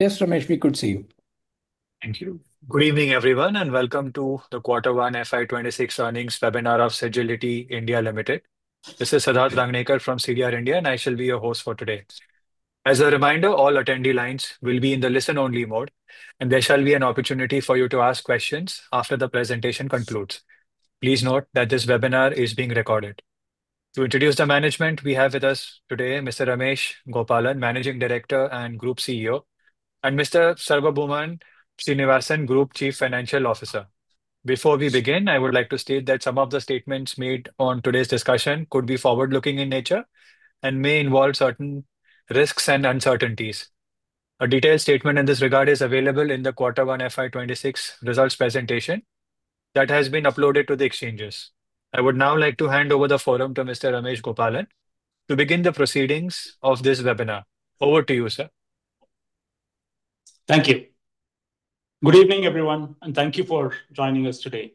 This from HP could see you. Thank you. Good evening, everyone, and welcome to the Quarter One FY 2026 Earnings Webinar of Sagility India Limited. This is Siddharth Rangnekar from CDR India, and I shall be your host for today. As a reminder, all attendee lines will be in the listen-only mode, and there shall be an opportunity for you to ask questions after the presentation concludes. Please note that this webinar is being recorded. To introduce the management we have with us today, Mr. Ramesh Gopalan, Managing Director and Group CEO, and Mr. Sarvabhouman Srinivasan, Group Chief Financial Officer. Before we begin, I would like to state that some of the statements made on today's discussion could be forward-looking in nature and may involve certain risks and uncertainties. A detailed statement in this regard is available in the Quarter One FY 2026 results presentation that has been uploaded to the exchanges. I would now like to hand over the forum to Mr. Ramesh Gopalan to begin the proceedings of this webinar. Over to you, sir. Thank you. Good evening, everyone, and thank you for joining us today.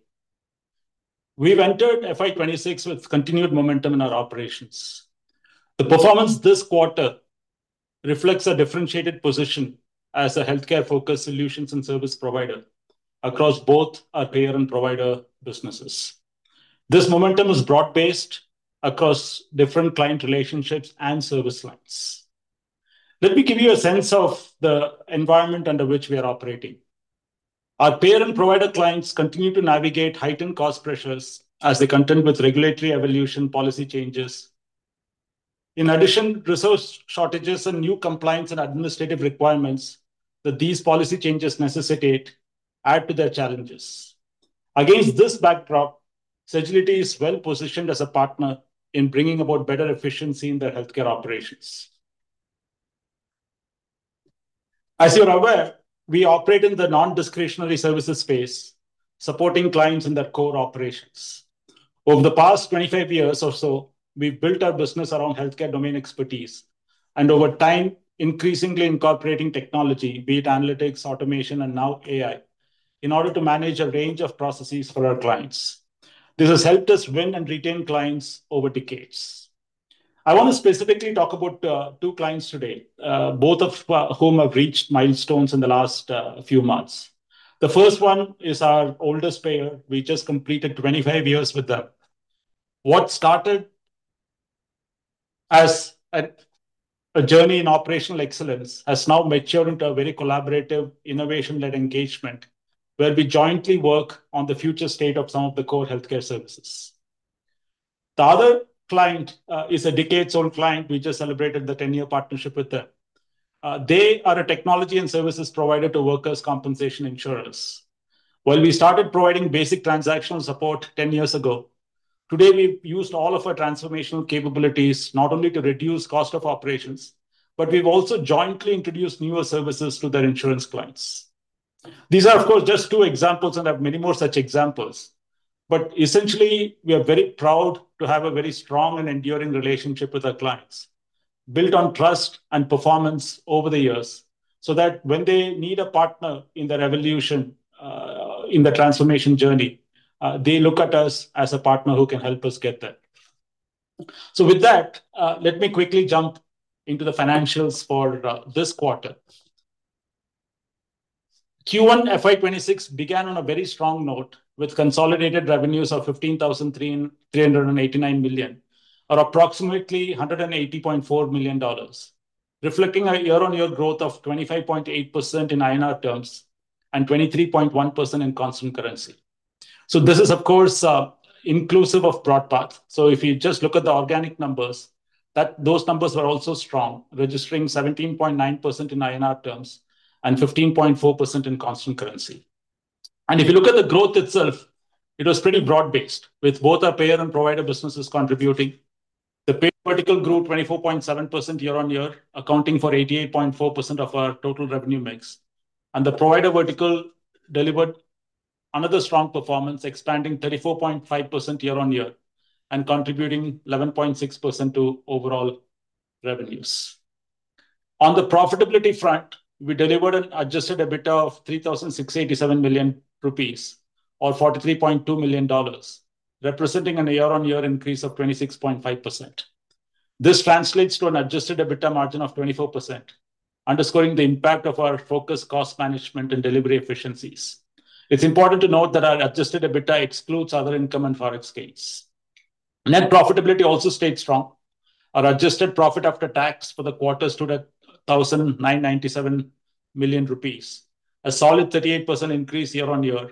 We've entered FY 2026 with continued momentum in our operations. The performance this quarter reflects a differentiated position as a healthcare-focused solutions and service provider across both our payer and provider businesses. This momentum is broad-based across different client relationships and service lines. Let me give you a sense of the environment under which we are operating. Our payer and provider clients continue to navigate heightened cost pressures as they contend with regulatory evolution and policy changes. In addition, resource shortages and new compliance and administrative requirements that these policy changes necessitate add to their challenges. Against this backdrop, Sagility is well-positioned as a partner in bringing about better efficiency in their healthcare operations. As you're aware, we operate in the non-discretionary services space, supporting clients in their core operations. Over the past 25 years or so, we've built our business around healthcare domain expertise and, over time, increasingly incorporating technology, be it analytics, automation, and now AI, in order to manage a range of processes for our clients. This has helped us win and retain clients over decades. I want to specifically talk about two clients today, both of whom have reached milestones in the last few months. The first one is our oldest payer. We just completed 25 years with them. What started as a journey in operational excellence has now matured into a very collaborative, innovation-led engagement where we jointly work on the future state of some of the core healthcare services. The other client is a decades-old client. We just celebrated the 10-year partnership with them. They are a technology and services provider to workers' compensation insurers. While we started providing basic transactional support 10 years ago, today we've used all of our transformational capabilities not only to reduce the cost of operations, but we've also jointly introduced newer services to their insurance clients. These are, of course, just two examples, and there are many more such examples. But essentially, we are very proud to have a very strong and enduring relationship with our clients, built on trust and performance over the years so that when they need a partner in their evolution, in the transformation journey, they look at us as a partner who can help us get there. So with that, let me quickly jump into the financials for this quarter. Q1 FY 2026 began on a very strong note with consolidated revenues of 15,389 million, or approximately $180.4 million, reflecting a year-on-year growth of 25.8% in INR terms and 23.1% in constant currency. This is, of course, inclusive of BroadPath. If you just look at the organic numbers, those numbers were also strong, registering 17.9% in INR terms and 15.4% in constant currency. If you look at the growth itself, it was pretty broad-based, with both our payer and provider businesses contributing. The payer vertical grew 24.7% year-on-year, accounting for 88.4% of our total revenue mix. The provider vertical delivered another strong performance, expanding 34.5% year-on-year and contributing 11.6% to overall revenues. On the profitability front, we delivered an adjusted EBITDA of 3,687 million rupees, or $43.2 million, representing a year-on-year increase of 26.5%. This translates to an adjusted EBITDA margin of 24%, underscoring the impact of our focused cost management and delivery efficiencies. It's important to note that our adjusted EBITDA excludes other income and forex gains. Net profitability also stayed strong. Our adjusted profit after tax for the quarter stood at 1,997 million rupees, a solid 38% increase year-on-year,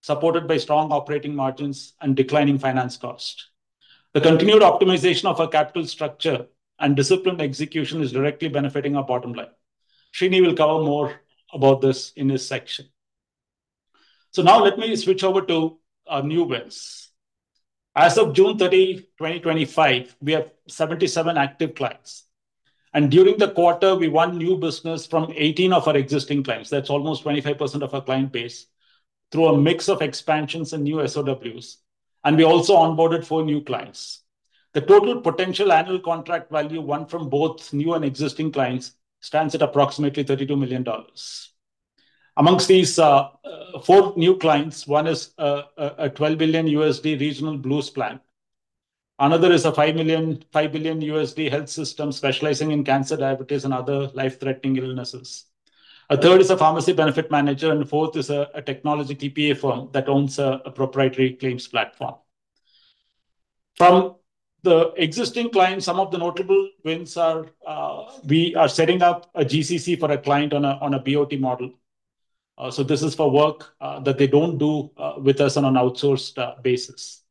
supported by strong operating margins and declining finance cost. The continued optimization of our capital structure and disciplined execution is directly benefiting our bottom line. Srini will cover more about this in his section. So now let me switch over to our new wins. As of June 30, 2025, we have 77 active clients. And during the quarter, we won new business from 18 of our existing clients. That's almost 25% of our client base through a mix of expansions and new SOWs. And we also onboarded four new clients. The total potential annual contract value won from both new and existing clients stands at approximately $32 million. Amongst these four new clients, one is a $12 billion USD regional Blues plan. Another is a $5 billion health system specializing in cancer, diabetes, and other life-threatening illnesses. A third is a pharmacy benefit manager, and the fourth is a technology TPA firm that owns a proprietary claims platform. From the existing clients, some of the notable wins are we are setting up a GCC for a client on a BOT model. So this is for work that they don't do with us on an outsourced basis.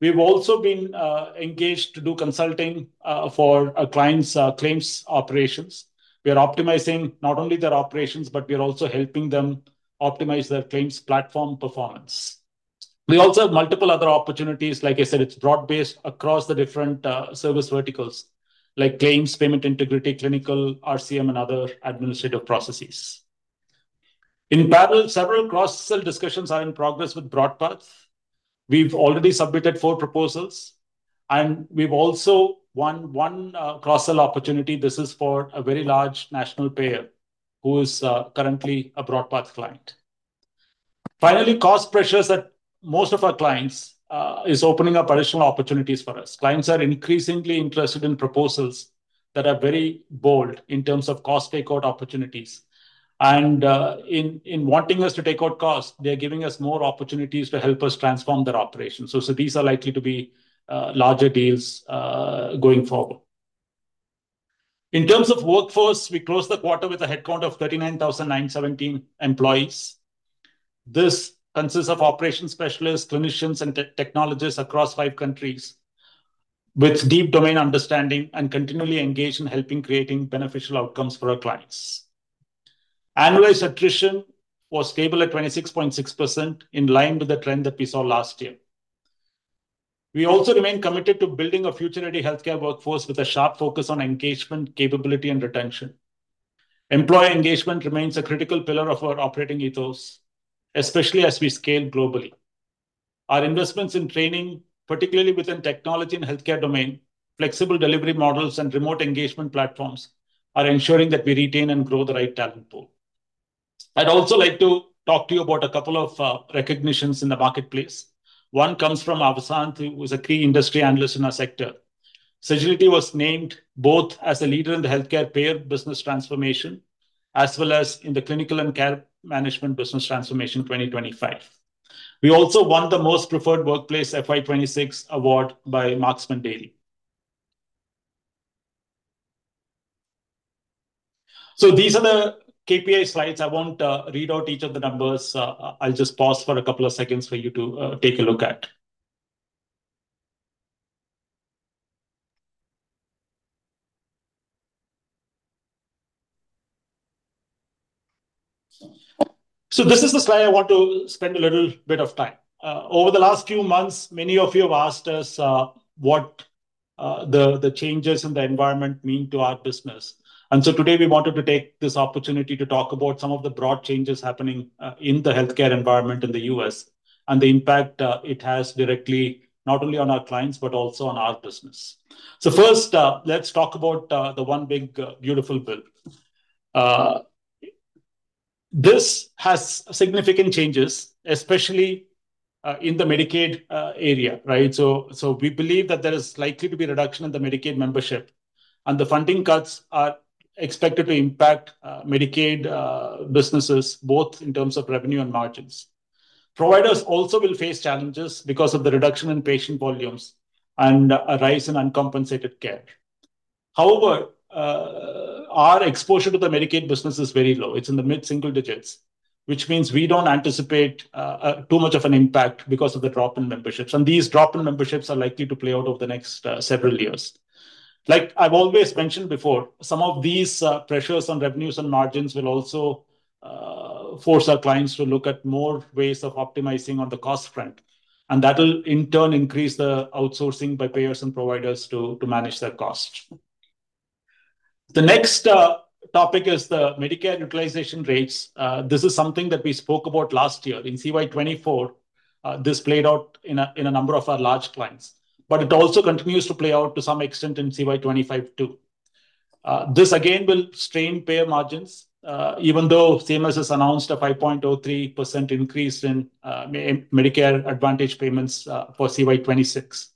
We've also been engaged to do consulting for our clients' claims operations. We are optimizing not only their operations, but we are also helping them optimize their claims platform performance. We also have multiple other opportunities. Like I said, it's broad-based across the different service verticals, like claims, payment integrity, clinical, RCM, and other administrative processes. In parallel, several cross-sell discussions are in progress with BroadPath. We've already submitted four proposals, and we've also won one cross-sell opportunity. This is for a very large national payer who is currently a BroadPath client. Finally, cost pressures at most of our clients are opening up additional opportunities for us. Clients are increasingly interested in proposals that are very bold in terms of cost-takeout opportunities. And in wanting us to take out costs, they are giving us more opportunities to help us transform their operations. So these are likely to be larger deals going forward. In terms of workforce, we closed the quarter with a headcount of 39,917 employees. This consists of operations specialists, clinicians, and technologists across five countries, with deep domain understanding and continually engaged in helping create beneficial outcomes for our clients. Annualized attrition was stable at 26.6%, in line with the trend that we saw last year. We also remain committed to building a future-ready healthcare workforce with a sharp focus on engagement, capability, and retention. Employee engagement remains a critical pillar of our operating ethos, especially as we scale globally. Our investments in training, particularly within technology and healthcare domain, flexible delivery models, and remote engagement platforms are ensuring that we retain and grow the right talent pool. I'd also like to talk to you about a couple of recognitions in the marketplace. One comes from Avasant, who is a key industry analyst in our sector. Sagility was named both as a leader in the healthcare payer business transformation as well as in the clinical and care management business transformation 2025. We also won the Most Preferred Workplace FY 2026 Award by Marksmen Daily. So these are the KPI slides. I won't read out each of the numbers. I'll just pause for a couple of seconds for you to take a look at. So this is the slide I want to spend a little bit of time. Over the last few months, many of you have asked us what the changes in the environment mean to our business. And so today, we wanted to take this opportunity to talk about some of the broad changes happening in the healthcare environment in the U.S. and the impact it has directly not only on our clients, but also on our business. So first, let's talk about the one big beautiful bill. This has significant changes, especially in the Medicaid area. So we believe that there is likely to be a reduction in the Medicaid membership, and the funding cuts are expected to impact Medicaid businesses, both in terms of revenue and margins. Providers also will face challenges because of the reduction in patient volumes and a rise in uncompensated care. However, our exposure to the Medicaid business is very low. It's in the mid-single digits, which means we don't anticipate too much of an impact because of the drop in memberships. And these drop in memberships are likely to play out over the next several years. Like I've always mentioned before, some of these pressures on revenues and margins will also force our clients to look at more ways of optimizing on the cost front. And that will, in turn, increase the outsourcing by payers and providers to manage their costs. The next topic is the Medicare utilization rates. This is something that we spoke about last year. In CY 2024, this played out in a number of our large clients, but it also continues to play out to some extent in CY 2025 too. This, again, will strain payer margins, even though CMS has announced a 5.03% increase in Medicare Advantage payments for CY 2026.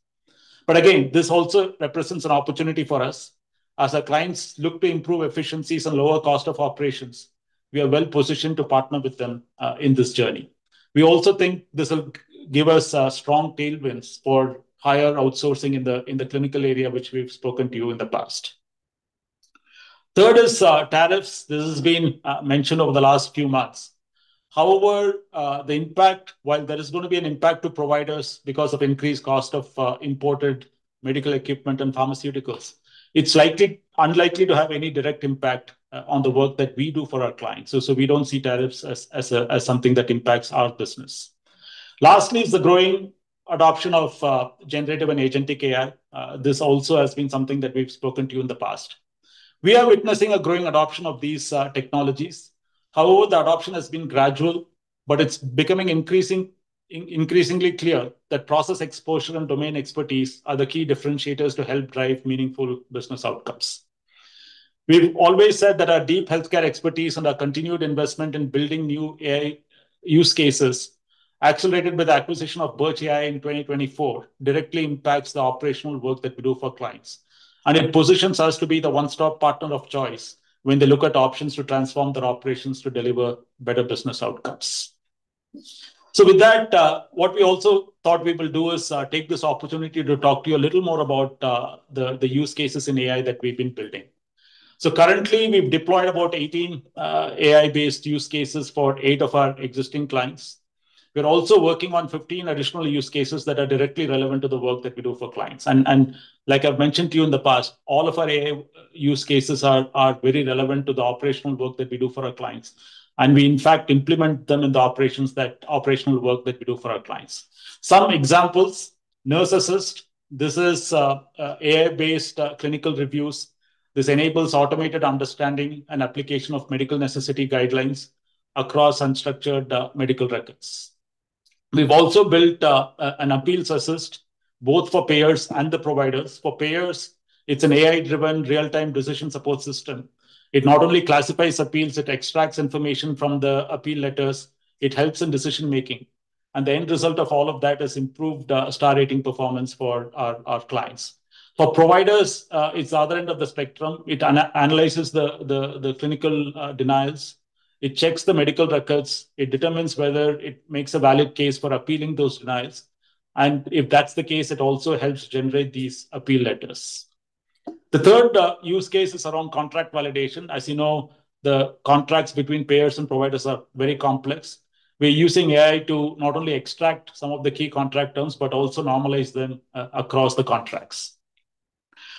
But again, this also represents an opportunity for us. As our clients look to improve efficiencies and lower cost of operations, we are well-positioned to partner with them in this journey. We also think this will give us strong tailwinds for higher outsourcing in the clinical area, which we've spoken to you in the past. Third is tariffs. This has been mentioned over the last few months. However, the impact, while there is going to be an impact to providers because of increased cost of imported medical equipment and pharmaceuticals, it's unlikely to have any direct impact on the work that we do for our clients. So we don't see tariffs as something that impacts our business. Lastly, is the growing adoption of generative and agentic AI. This also has been something that we've spoken to you in the past. We are witnessing a growing adoption of these technologies. However, the adoption has been gradual, but it's becoming increasingly clear that process exposure and domain expertise are the key differentiators to help drive meaningful business outcomes. We've always said that our deep healthcare expertise and our continued investment in building new AI use cases, accelerated with the acquisition of BirchAI in 2024, directly impacts the operational work that we do for clients. It positions us to be the one-stop partner of choice when they look at options to transform their operations to deliver better business outcomes. With that, what we also thought we will do is take this opportunity to talk to you a little more about the use cases in AI that we've been building. Currently, we've deployed about 18 AI-based use cases for eight of our existing clients. We're also working on 15 additional use cases that are directly relevant to the work that we do for clients. Like I've mentioned to you in the past, all of our AI use cases are very relevant to the operational work that we do for our clients. We, in fact, implement them in the operational work that we do for our clients. Some examples: Nurse Assist. This is AI-based clinical reviews. This enables automated understanding and application of medical necessity guidelines across unstructured medical records. We've also built an Appeals Assist, both for payers and the providers. For payers, it's an AI-driven real-time decision support system. It not only classifies appeals, it extracts information from the appeal letters. It helps in decision-making, and the end result of all of that is improved star rating performance for our clients. For providers, it's the other end of the spectrum. It analyzes the clinical denials. It checks the medical records. It determines whether it makes a valid case for appealing those denials, and if that's the case, it also helps generate these appeal letters. The third use case is around contract validation. As you know, the contracts between payers and providers are very complex. We're using AI to not only extract some of the key contract terms, but also normalize them across the contracts.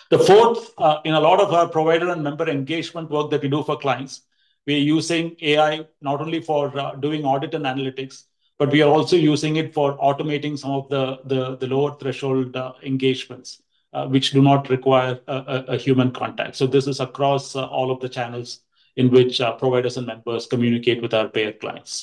The fourth, in a lot of our provider and member engagement work that we do for clients, we're using AI not only for doing audit and analytics, but we are also using it for automating some of the lower threshold engagements, which do not require a human contact. So this is across all of the channels in which providers and members communicate with our payer clients.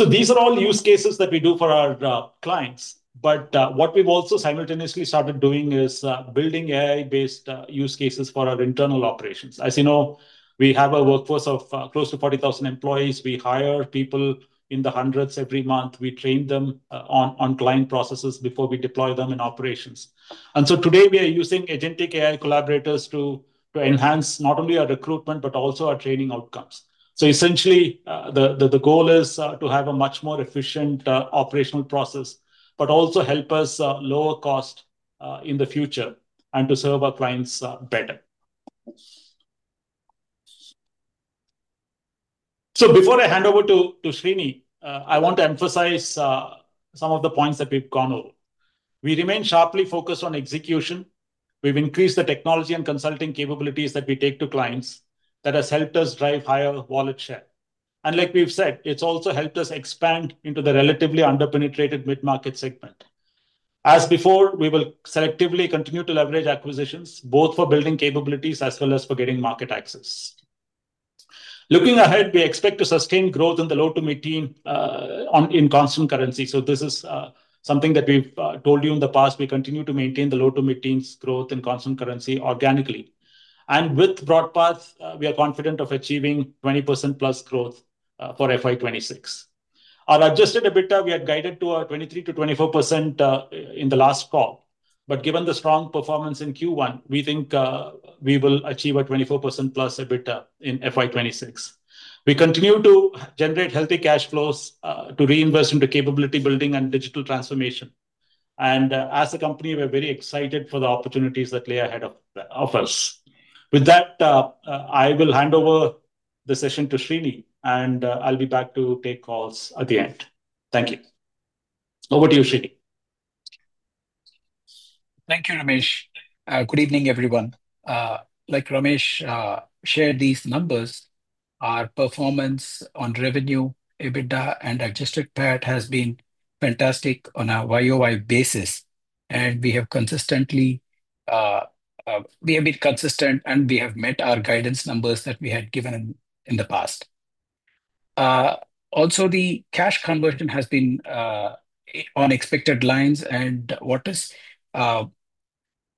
So these are all use cases that we do for our clients. But what we've also simultaneously started doing is building AI-based use cases for our internal operations. As you know, we have a workforce of close to 40,000 employees. We hire people in the hundreds every month. We train them on client processes before we deploy them in operations. And so today, we are using Agentic AI collaborators to enhance not only our recruitment, but also our training outcomes. Essentially, the goal is to have a much more efficient operational process, but also help us lower cost in the future and to serve our clients better. Before I hand over to Srini, I want to emphasize some of the points that we've gone over. We remain sharply focused on execution. We've increased the technology and consulting capabilities that we take to clients that has helped us drive higher wallet share. And like we've said, it's also helped us expand into the relatively underpenetrated mid-market segment. As before, we will selectively continue to leverage acquisitions, both for building capabilities as well as for getting market access. Looking ahead, we expect to sustain growth in the low-to-mid teen in constant currency. This is something that we've told you in the past. We continue to maintain the low-to-mid teen's growth in constant currency organically. With BroadPath, we are confident of achieving 20% plus growth for FY 2026. Our adjusted EBITDA, we had guided to a 23%-24% in the last call. But given the strong performance in Q1, we think we will achieve a 24% plus EBITDA in FY 2026. We continue to generate healthy cash flows to reinvest into capability building and digital transformation. As a company, we're very excited for the opportunities that lay ahead of us. With that, I will hand over the session to Srini, and I'll be back to take calls at the end. Thank you. Over to you, Srini. Thank you, Ramesh. Good evening, everyone. Like Ramesh shared these numbers, our performance on revenue, EBITDA, and adjusted PAT has been fantastic on a YOY basis. We have consistently been consistent, and we have met our guidance numbers that we had given in the past. Also, the cash conversion has been on expected lines.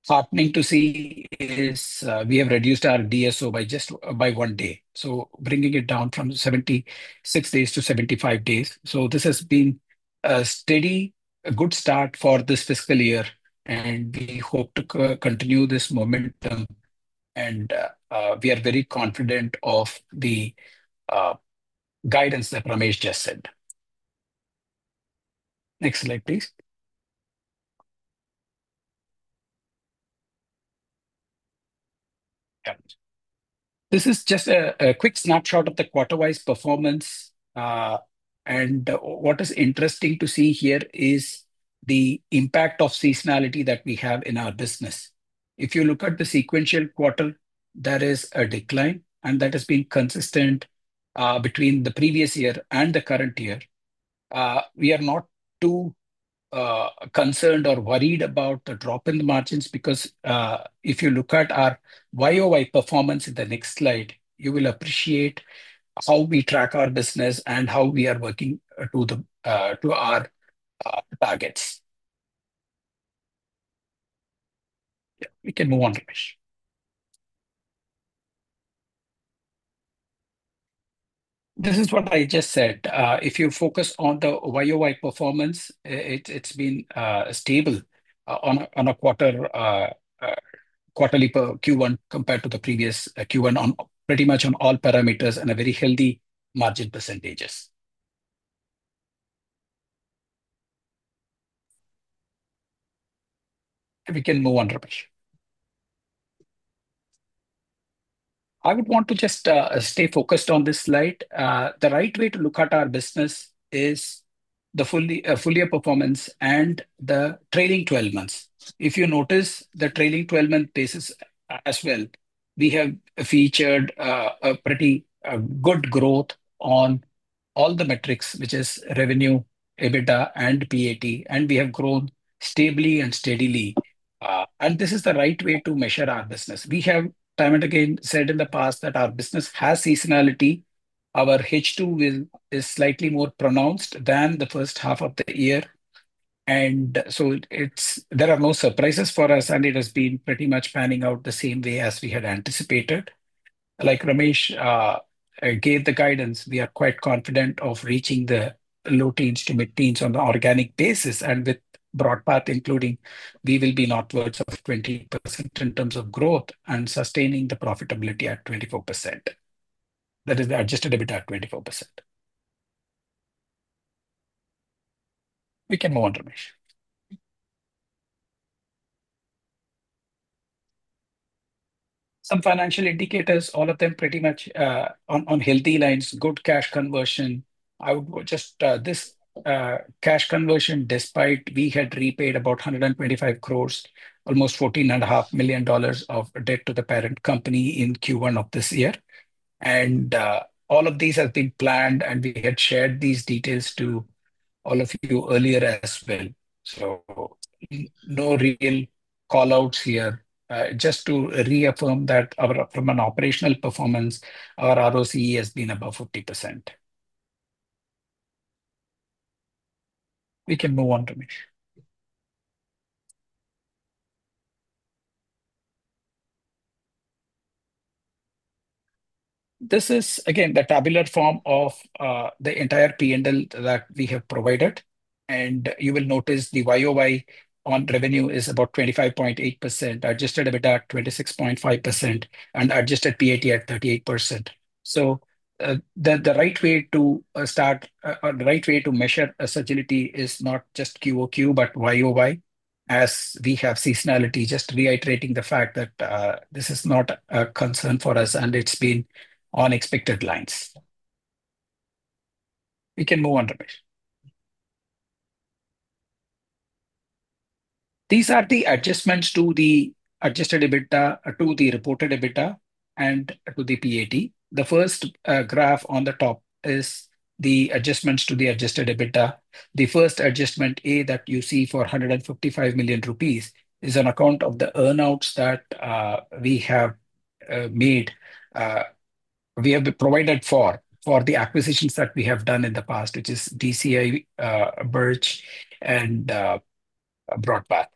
And what is heartening to see is we have reduced our DSO by just one day, so bringing it down from 76 days to 75 days. So this has been a steady, good start for this fiscal year, and we hope to continue this momentum. And we are very confident of the guidance that Ramesh just said. Next slide, please. This is just a quick snapshot of the quarter-wise performance. And what is interesting to see here is the impact of seasonality that we have in our business. If you look at the sequential quarter, there is a decline, and that has been consistent between the previous year and the current year. We are not too concerned or worried about the drop in the margins because if you look at our YoY performance in the next slide, you will appreciate how we track our business and how we are working to our targets. Yeah, we can move on, Ramesh. This is what I just said. If you focus on the YoY performance, it's been stable on a quarterly Q1 compared to the previous Q1, pretty much on all parameters and a very healthy margin percentages. We can move on, Ramesh. I would want to just stay focused on this slide. The right way to look at our business is the full year performance and the trailing 12-month. If you notice the trailing 12-month basis as well, we have featured a pretty good growth on all the metrics, which is revenue, EBITDA, and PAT, and we have grown stably and steadily. And this is the right way to measure our business. We have time and again said in the past that our business has seasonality. Our H2 is slightly more pronounced than the first half of the year. And so there are no surprises for us, and it has been pretty much panning out the same way as we had anticipated. Like Ramesh gave the guidance, we are quite confident of reaching the low teens to mid-teens on the organic basis. And with BroadPath including, we will be northwards of 20% in terms of growth and sustaining the profitability at 24%. That is the Adjusted EBITDA at 24%. We can move on, Ramesh. Some financial indicators, all of them pretty much on healthy lines, good cash conversion. I would just say this cash conversion, despite we had repaid about 125 crores, almost $14.5 million of debt to the parent company in Q1 of this year, and all of these have been planned, and we had shared these details to all of you earlier as well, so no real callouts here, just to reaffirm that from an operational performance, our ROCE has been above 50%. We can move on, Ramesh. This is, again, the tabular form of the entire P&L that we have provided, and you will notice the YOY on revenue is about 25.8%, adjusted EBITDA at 26.5%, and adjusted PAT at 38%, so the right way to start, the right way to measure agility is not just QOQ, but YOY, as we have seasonality, just reiterating the fact that this is not a concern for us, and it's been on expected lines. We can move on, Ramesh. These are the adjustments to the adjusted EBITDA, to the reported EBITDA, and to the PAT. The first graph on the top is the adjustments to the adjusted EBITDA. The first adjustment A that you see for 155 million rupees is an account of the earnouts that we have made. We have provided for the acquisitions that we have done in the past, which is DCI, Birch, and BroadPath.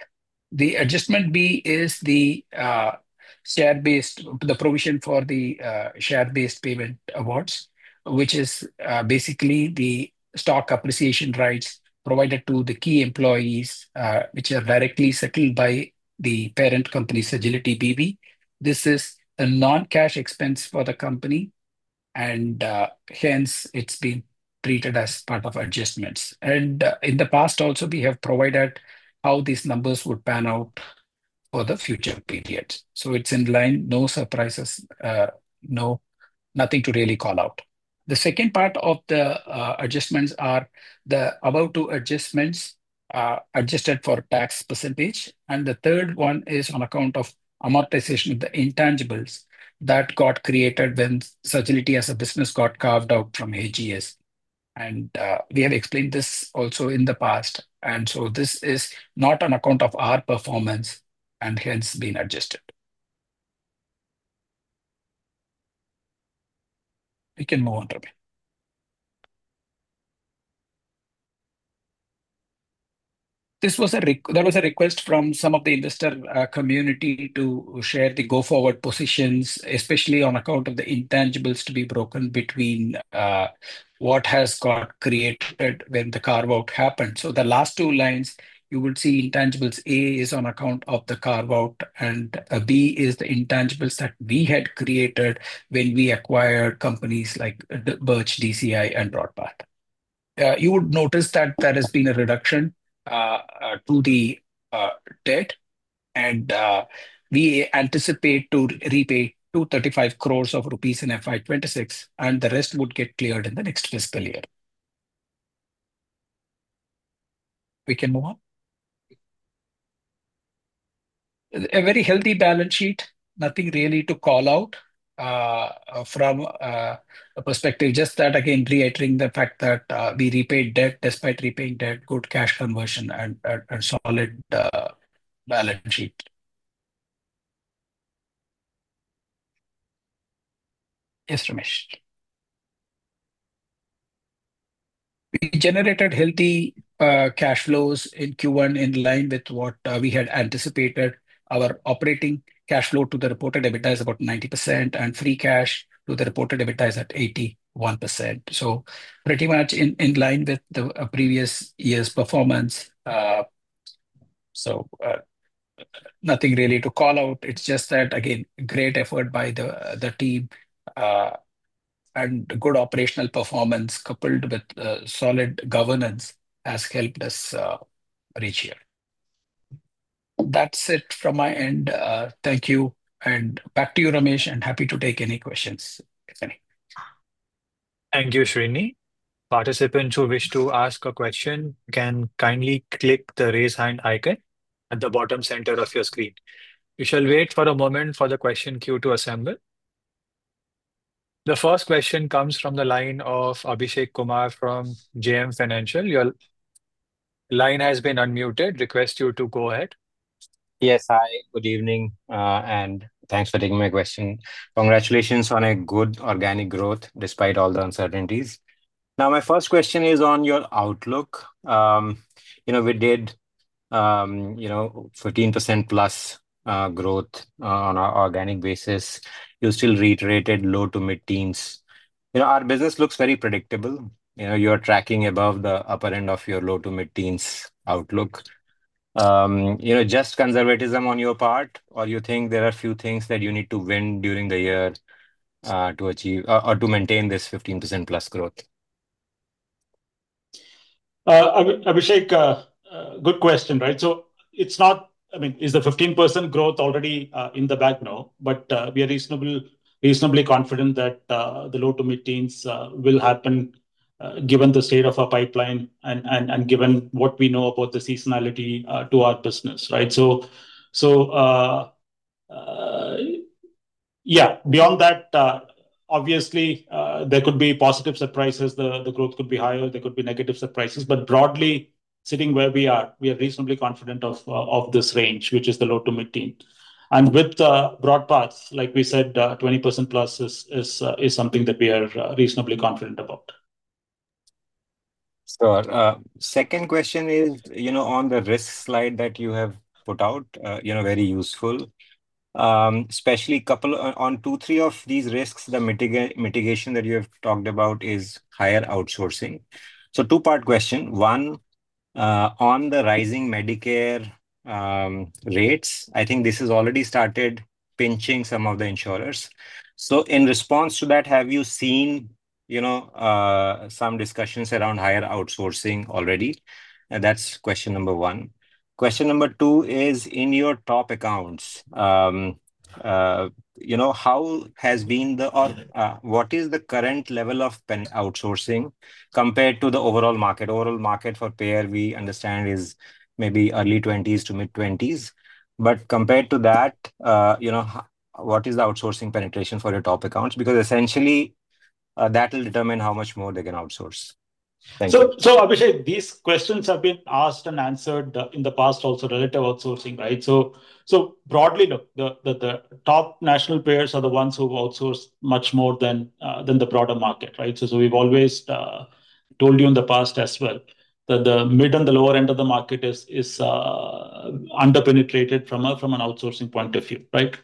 The adjustment B is the share-based, the provision for the share-based payment awards, which is basically the stock appreciation rights provided to the key employees, which are directly settled by the parent company, Sagility BV. This is a non-cash expense for the company, and hence it's been treated as part of adjustments, and in the past, also, we have provided how these numbers would pan out for the future period. So it's in line, no surprises, nothing to really call out. The second part of the adjustments are the one-off adjustments adjusted for tax percentage. And the third one is on account of amortization of the intangibles that got created when Sagility as a business got carved out from HGS. And we have explained this also in the past. And so this is not on account of our performance and hence been adjusted. We can move on, Ramesh. There was a request from some of the investor community to share the go-forward positions, especially on account of the intangibles to be broken between what has got created when the carve-out happened. So the last two lines, you would see intangibles A is on account of the carve-out, and B is the intangibles that we had created when we acquired companies like Birch, DCI, and Broadpath. You would notice that there has been a reduction to the debt. We anticipate to repay 235 crores rupees in FY26, and the rest would get cleared in the next fiscal year. We can move on. A very healthy balance sheet, nothing really to call out from a perspective, just that, again, reiterating the fact that we repaid debt despite repaying debt, good cash conversion, and solid balance sheet. Yes, Ramesh. We generated healthy cash flows in Q1 in line with what we had anticipated. Our operating cash flow to the reported EBITDA is about 90%, and free cash to the reported EBITDA is at 81%. So pretty much in line with the previous year's performance. So nothing really to call out. It's just that, again, great effort by the team and good operational performance coupled with solid governance has helped us reach here. That's it from my end. Thank you. And back to you, Ramesh, and happy to take any questions. Thank you, Srini. Participants who wish to ask a question can kindly click the raise hand icon at the bottom center of your screen. We shall wait for a moment for the question queue to assemble. The first question comes from the line of Abhishek Kumar from JM Financial. Your line has been unmuted. Request you to go ahead. Yes, hi. Good evening, and thanks for taking my question. Congratulations on a good organic growth despite all the uncertainties. Now, my first question is on your outlook. We did 14% plus growth on our organic basis. You still reiterated low to mid-teens. Our business looks very predictable. You're tracking above the upper end of your low to mid-teens outlook. Just conservatism on your part, or you think there are a few things that you need to win during the year to achieve or to maintain this 15% plus growth? Abhishek, good question, right? So it's not, I mean, is the 15% growth already in the bag? No, but we are reasonably confident that the low to mid-teens will happen given the state of our pipeline and given what we know about the seasonality to our business, right? So yeah, beyond that, obviously, there could be positive surprises. The growth could be higher. There could be negative surprises. But broadly, sitting where we are, we are reasonably confident of this range, which is the low to mid-teen. And with BroadPath, like we said, 20% plus is something that we are reasonably confident about. Sure. Second question is on the risk slide that you have put out. Very useful, especially on two, three of these risks. The mitigation that you have talked about is higher outsourcing. So two-part question. One, on the rising Medicare rates, I think this has already started pinching some of the insurers. So in response to that, have you seen some discussions around higher outsourcing already? That's question number one. Question number two is in your top accounts, how has been the or what is the current level of outsourcing compared to the overall market? Overall market for payer, we understand, is maybe early 20s-mid 20s. But compared to that, what is the outsourcing penetration for your top accounts? Because essentially, that will determine how much more they can outsource. Thank you. So Abhishek, these questions have been asked and answered in the past, also relative outsourcing, right? So broadly, look, the top national players are the ones who outsource much more than the broader market, right? So we've always told you in the past as well that the mid and the lower end of the market is under-penetrated from an outsourcing point of view, right?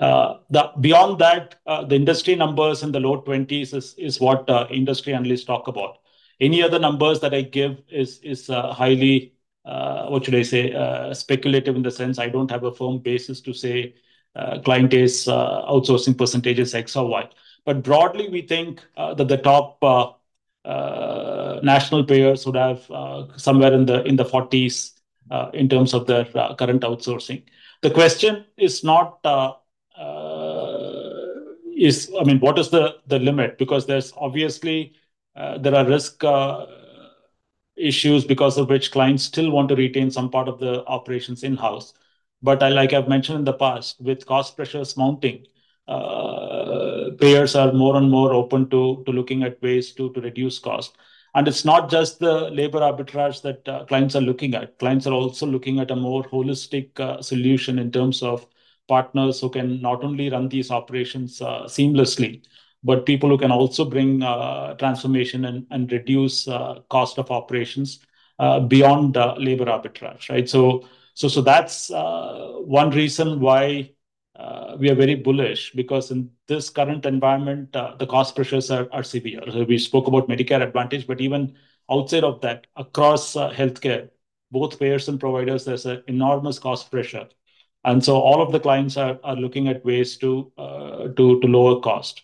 Beyond that, the industry numbers in the low 20s is what industry analysts talk about. Any other numbers that I give is highly, what should I say, speculative in the sense I don't have a firm basis to say client outsourcing percentage is X or Y. But broadly, we think that the top national players would have somewhere in the 40s in terms of their current outsourcing. The question is not, I mean, what is the limit? Because there's obviously there are risk issues because of which clients still want to retain some part of the operations in-house. But like I've mentioned in the past, with cost pressures mounting, payers are more and more open to looking at ways to reduce cost. And it's not just the labor arbitrage that clients are looking at. Clients are also looking at a more holistic solution in terms of partners who can not only run these operations seamlessly, but people who can also bring transformation and reduce cost of operations beyond labor arbitrage, right? So that's one reason why we are very bullish, because in this current environment, the cost pressures are severe. So we spoke about Medicare Advantage, but even outside of that, across healthcare, both payers and providers, there's an enormous cost pressure. And so all of the clients are looking at ways to lower cost.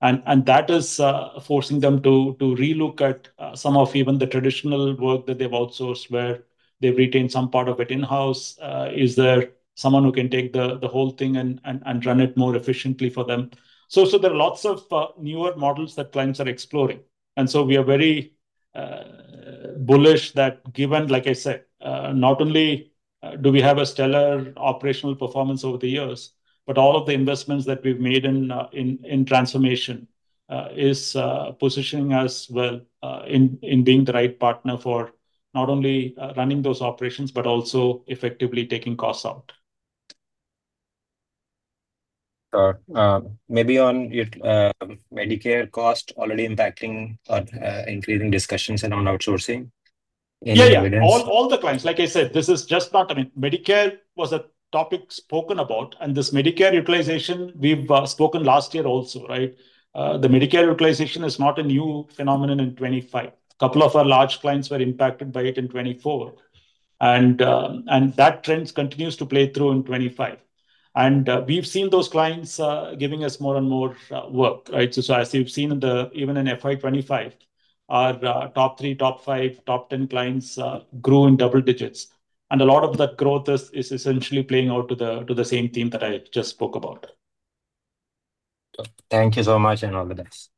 That is forcing them to re-look at some of even the traditional work that they've outsourced, where they've retained some part of it in-house. Is there someone who can take the whole thing and run it more efficiently for them? So there are lots of newer models that clients are exploring. And so we are very bullish that, given, like I said, not only do we have a stellar operational performance over the years, but all of the investments that we've made in transformation is positioning us well in being the right partner for not only running those operations, but also effectively taking costs out. Maybe on Medicare cost already impacting or increasing discussions around outsourcing in the industry? Yeah, all the clients. Like I said, this is just not, I mean, Medicare was a topic spoken about. And this Medicare utilization, we've spoken last year also, right? The Medicare utilization is not a new phenomenon in 2025. A couple of our large clients were impacted by it in 2024. And that trend continues to play through in 2025. And we've seen those clients giving us more and more work, right? So as you've seen, even in FY 2025, our top three, top five, top ten clients grew in double digits. And a lot of that growth is essentially playing out to the same theme that I just spoke about. Thank you so much and all the best.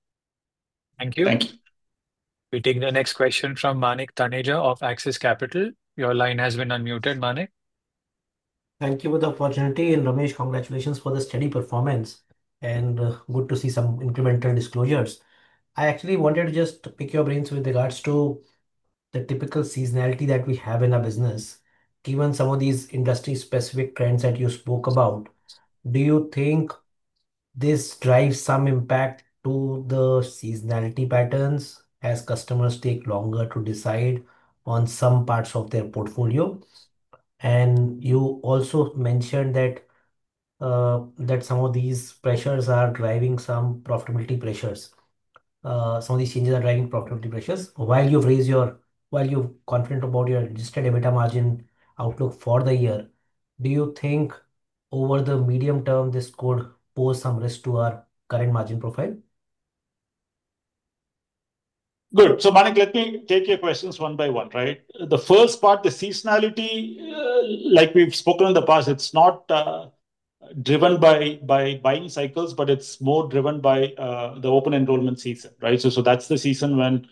Thank you. Thank you. We take the next question from Manik Taneja of Axis Capital. Your line has been unmuted, Manik. Thank you for the opportunity. And Ramesh, congratulations for the steady performance. And good to see some incremental disclosures. I actually wanted to just pick your brains with regards to the typical seasonality that we have in our business. Given some of these industry-specific trends that you spoke about, do you think this drives some impact to the seasonality patterns as customers take longer to decide on some parts of their portfolio? And you also mentioned that some of these pressures are driving some profitability pressures. Some of these changes are driving profitability pressures. While you're confident about your guidance EBITDA margin outlook for the year, do you think over the medium term, this could pose some risk to our current margin profile? Good. So Manik, let me take your questions one by one, right? The first part, the seasonality, like we've spoken in the past, it's not driven by buying cycles, but it's more driven by the open enrollment season, right? So that's the season when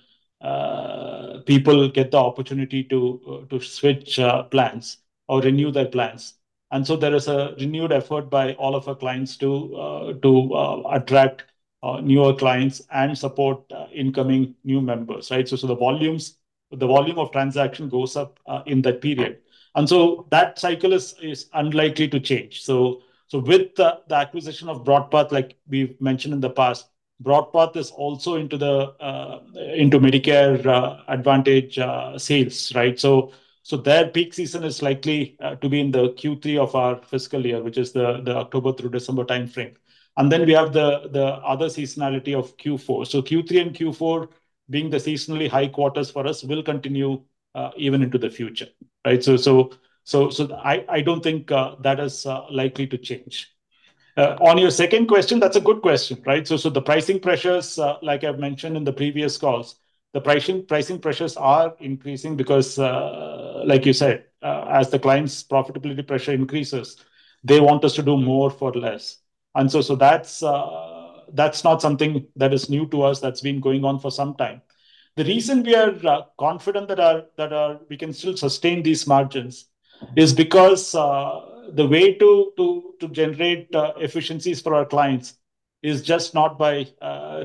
people get the opportunity to switch plans or renew their plans. And so there is a renewed effort by all of our clients to attract newer clients and support incoming new members, right? So the volume of transaction goes up in that period. And so that cycle is unlikely to change. So with the acquisition of BroadPath, like we've mentioned in the past, BroadPath is also into Medicare Advantage sales, right? So their peak season is likely to be in the Q3 of our fiscal year, which is the October through December time frame. And then we have the other seasonality of Q4. So Q3 and Q4 being the seasonally high quarters for us will continue even into the future, right? So I don't think that is likely to change. On your second question, that's a good question, right? So the pricing pressures, like I've mentioned in the previous calls, the pricing pressures are increasing because, like you said, as the client's profitability pressure increases, they want us to do more for less. And so that's not something that is new to us that's been going on for some time. The reason we are confident that we can still sustain these margins is because the way to generate efficiencies for our clients is just not by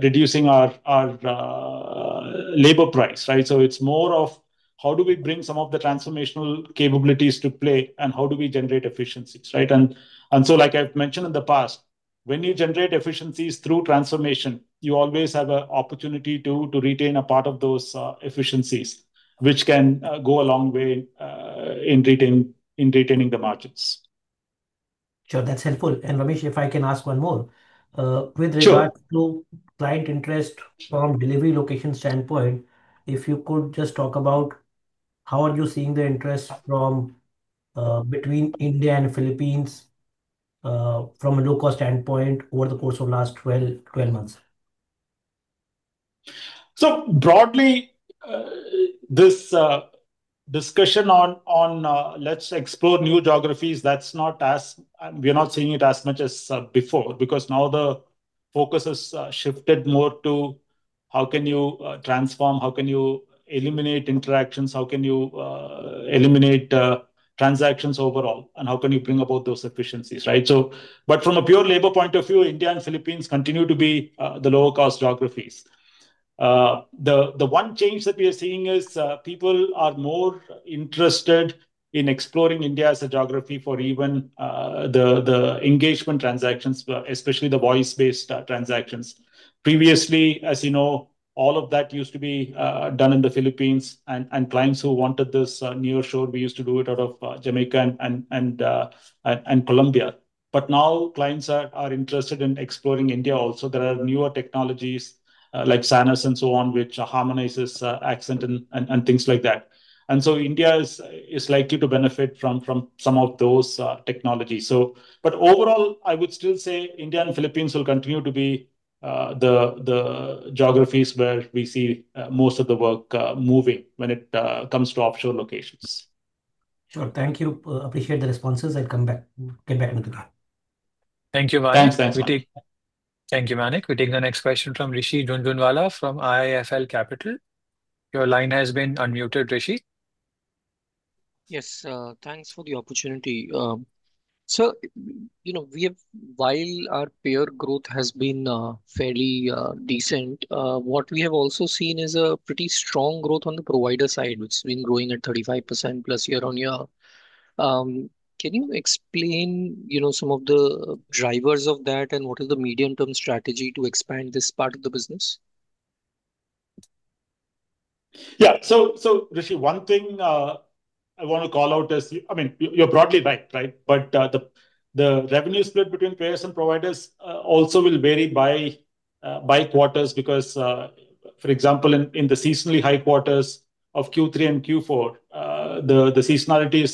reducing our labor price, right? So it's more of how do we bring some of the transformational capabilities to play and how do we generate efficiencies, right? And so, like I've mentioned in the past, when you generate efficiencies through transformation, you always have an opportunity to retain a part of those efficiencies, which can go a long way in retaining the margins. Sure. That's helpful. And Ramesh, if I can ask one more, with regards to client interest from delivery location standpoint, if you could just talk about how are you seeing the interest from between India and the Philippines from a low-cost standpoint over the course of the last 12 months? So broadly, this discussion on, let's explore new geographies, that's not as we're not seeing it as much as before because now the focus has shifted more to how can you transform, how can you eliminate interactions, how can you eliminate transactions overall, and how can you bring about those efficiencies, right? But from a pure labor point of view, India and Philippines continue to be the lower-cost geographies. The one change that we are seeing is people are more interested in exploring India as a geography for even the engagement transactions, especially the voice-based transactions. Previously, as you know, all of that used to be done in the Philippines. And clients who wanted this near shore, we used to do it out of Jamaica and Colombia. But now clients are interested in exploring India also. There are newer technologies like Sanas and so on, which harmonizes accent and things like that. And so India is likely to benefit from some of those technologies. But overall, I would still say India and Philippines will continue to be the geographies where we see most of the work moving when it comes to offshore locations. Sure. Thank you. Appreciate the responses. I'll come back. Get back in the car. Thank you, Manik. Thank you, Manik. We take the next question from Rishi Jhunjhunwala from IIFL Capital. Your line has been unmuted, Rishi. Yes. Thanks for the opportunity. So while our payer growth has been fairly decent, what we have also seen is a pretty strong growth on the provider side, which has been growing at 35% plus year on year. Can you explain some of the drivers of that and what is the medium-term strategy to expand this part of the business? Yeah, so Rishi, one thing I want to call out is, I mean, you're broadly right, right? But the revenue split between payers and providers also will vary by quarters because, for example, in the seasonally high quarters of Q3 and Q4, the seasonality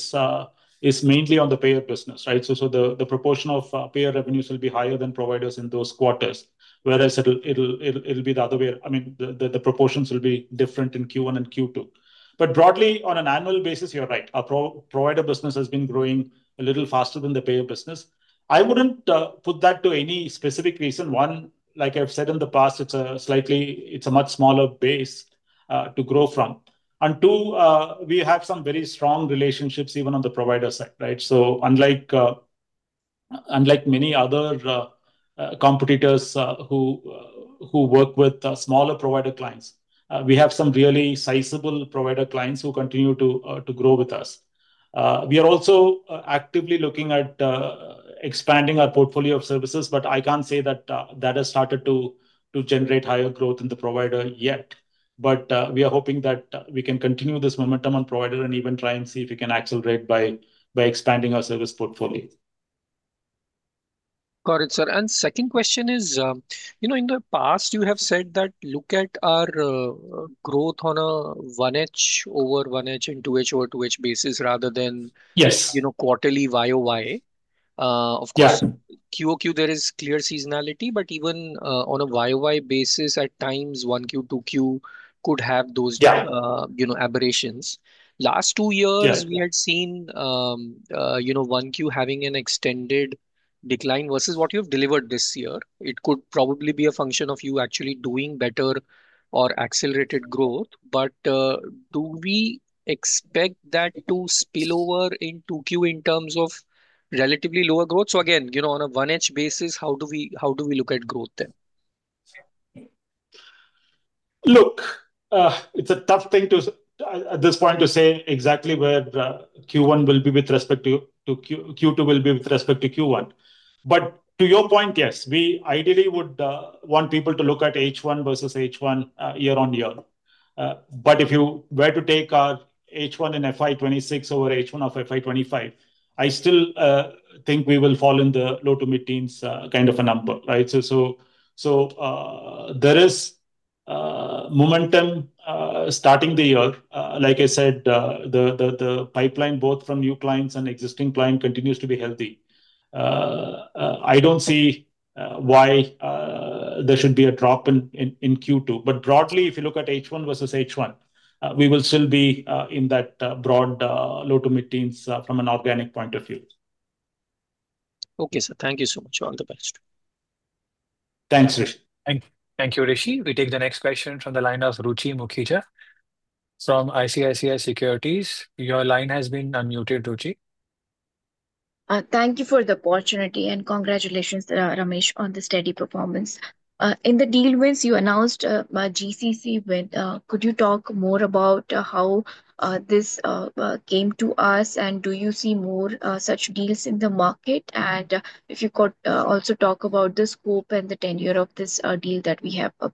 is mainly on the payer business, right? So the proportion of payer revenues will be higher than providers in those quarters, whereas it'll be the other way. I mean, the proportions will be different in Q1 and Q2. But broadly, on an annual basis, you're right. Our provider business has been growing a little faster than the payer business. I wouldn't put that to any specific reason. One, like I've said in the past, it's a much smaller base to grow from. And two, we have some very strong relationships even on the provider side, right? So unlike many other competitors who work with smaller provider clients, we have some really sizable provider clients who continue to grow with us. We are also actively looking at expanding our portfolio of services, but I can't say that that has started to generate higher growth in the provider yet. But we are hoping that we can continue this momentum on provider and even try and see if we can accelerate by expanding our service portfolio. Got it, sir. And second question is, in the past, you have said that look at our growth on a 1H over 1H and 2H over 2H basis rather than quarterly YOY. Of course, QOQ, there is clear seasonality, but even on a YOY basis at times, 1Q, 2Q could have those aberrations. Last two years, we had seen 1Q having an extended decline versus what you've delivered this year. It could probably be a function of you actually doing better or accelerated growth. But do we expect that to spill over into Q in terms of relatively lower growth? So again, on a 1H basis, how do we look at growth then? Look, it's a tough thing at this point to say exactly where Q1 will be with respect to Q2 will be with respect to Q1. But to your point, yes, we ideally would want people to look at H1 versus H1 year on year. But if you were to take our H1 in FY 2026 over H1 of FY 2025, I still think we will fall in the low to mid-teens kind of a number, right? So there is momentum starting the year. Like I said, the pipeline both from new clients and existing clients continues to be healthy. I don't see why there should be a drop in Q2. But broadly, if you look at H1 versus H1, we will still be in that broad low to mid-teens from an organic point of view. Okay, sir. Thank you so much. You're the best. Thanks, Rishi. Thank you, Rishi. We take the next question from the line of Ruchi Mukhija from ICICI Securities. Your line has been unmuted, Ruchi. Thank you for the opportunity and congratulations, Ramesh, on the steady performance. In the deal wins you announced, GCC win. Could you talk more about how this came to us and do you see more such deals in the market? And if you could also talk about the scope and the tenure of this deal that we have won.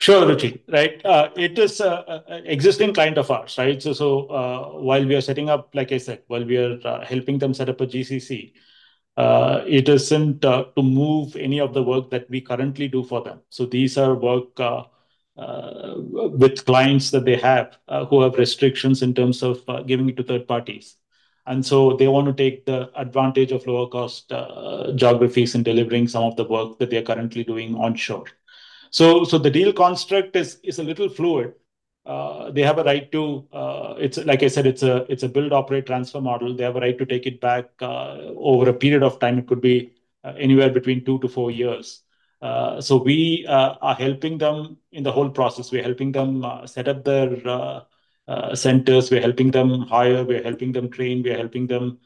Sure, Ruchi, right? It is an existing client of ours, right? So while we are setting up, like I said, while we are helping them set up a GCC, it isn't to move any of the work that we currently do for them. So these are work with clients that they have who have restrictions in terms of giving it to third parties. And so they want to take the advantage of lower-cost geographies in delivering some of the work that they are currently doing onshore. So the deal construct is a little fluid. They have a right to, like I said, it's a build-operate-transfer model. They have a right to take it back over a period of time. It could be anywhere between two to four years. So we are helping them in the whole process. We're helping them set up their centers. We're helping them hire. We're helping them train. We're helping them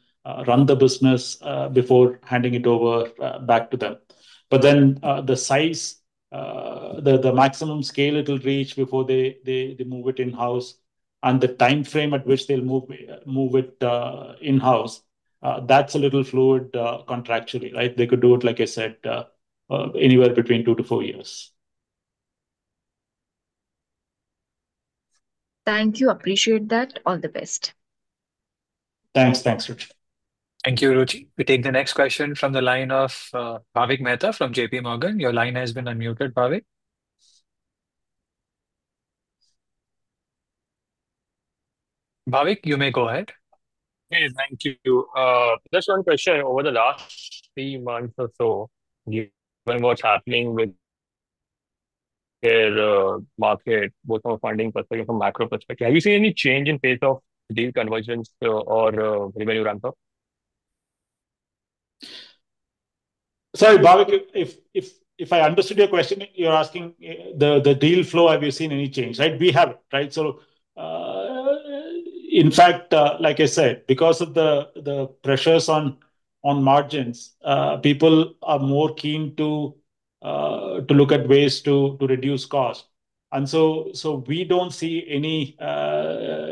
run the business before handing it over back to them. But then the size, the maximum scale it will reach before they move it in-house and the time frame at which they'll move it in-house, that's a little fluid contractually, right? They could do it, like I said, anywhere between two to four years. Thank you. Appreciate that. All the best. Thanks. Thanks, Ruchi. Thank you, Ruchi. We take the next question from the line of Bhavik Mehta from J.P. Morgan. Your line has been unmuted, Bhavik. Bhavik, you may go ahead. Okay. Thank you. Just one question. Over the last three months or so, given what's happening with their market, both from a funding perspective and from a macro perspective, have you seen any change in pace of deal convergence or revenue ramp-up? Sorry, Bhavik, if I understood your question, you're asking the deal flow, have you seen any change, right? We haven't, right? So in fact, like I said, because of the pressures on margins, people are more keen to look at ways to reduce cost. And so we don't see any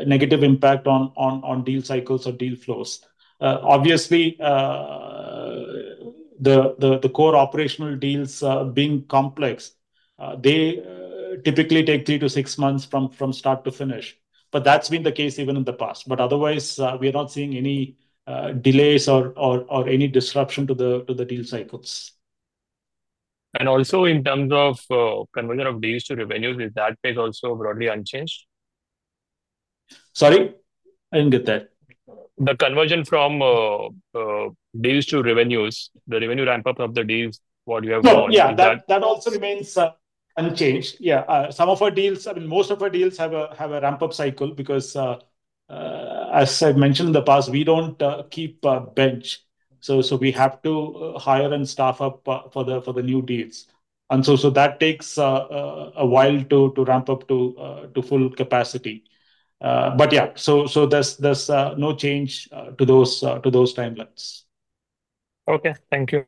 negative impact on deal cycles or deal flows. Obviously, the core operational deals being complex, they typically take three to six months from start to finish. But that's been the case even in the past. But otherwise, we are not seeing any delays or any disruption to the deal cycles. And also in terms of conversion of deals to revenues, is that pace also broadly unchanged? Sorry? I didn't get that. The conversion from deals to revenues, the revenue ramp-up of the deals, what you have gone? Yeah, that also remains unchanged. Yeah. Some of our deals, I mean, most of our deals have a ramp-up cycle because, as I've mentioned in the past, we don't keep a bench. So we have to hire and staff up for the new deals. And so that takes a while to ramp up to full capacity. But yeah, so there's no change to those timelines. Okay. Thank you.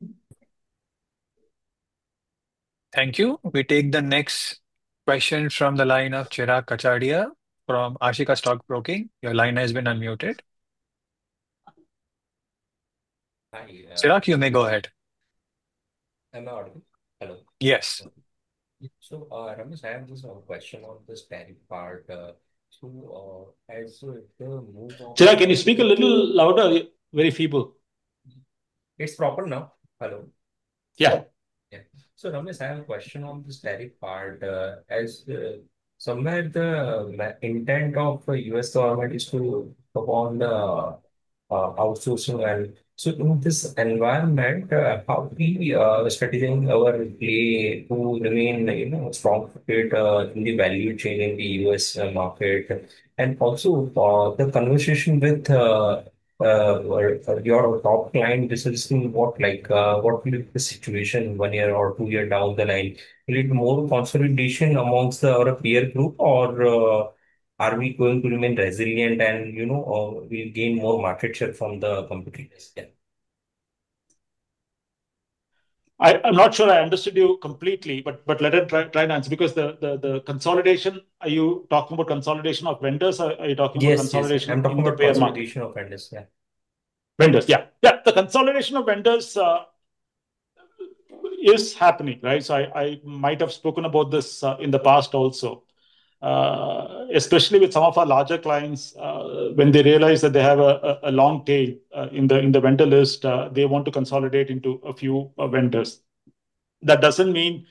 Thank you. We take the next question from the line of Chirag Kachhadiya from Ashika Stock Broking. Your line has been unmuted. Chirag, you may go ahead. Hello. Yes. Chirag, can you speak a little louder? Ramesh, I have a question on this onshoring part. Somewhere, the intent of the U.S. government is to promote the onshoring. So in this environment, how are we strategizing our play to remain strong in the value chain in the U.S. market? And also the conversation with your top client, this is what like what will be the situation one year or two years down the line? Will it be more consolidation among our peer group, or are we going to remain resilient and gain more market share from the competitors? I'm not sure I understood you completely, but let me try to answer because the consolidation, are you talking about consolidation of vendors? Are you talking about consolidation of vendors? Yes. I'm talking about consolidation of vendors. Yeah. Vendors? Yeah. Yeah. The consolidation of vendors is happening, right? So I might have spoken about this in the past also, especially with some of our larger clients. When they realize that they have a long tail in the vendor list, they want to consolidate into a few vendors. That doesn't mean,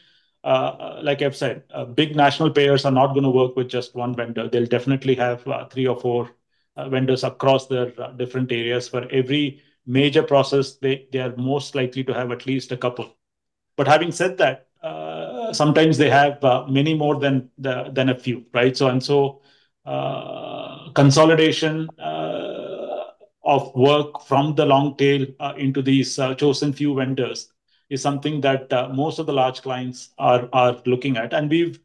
like I've said, big national players are not going to work with just one vendor. They'll definitely have three or four vendors across their different areas. For every major process, they are most likely to have at least a couple. But having said that, sometimes they have many more than a few, right? And so consolidation of work from the long tail into these chosen few vendors is something that most of the large clients are looking at. And we've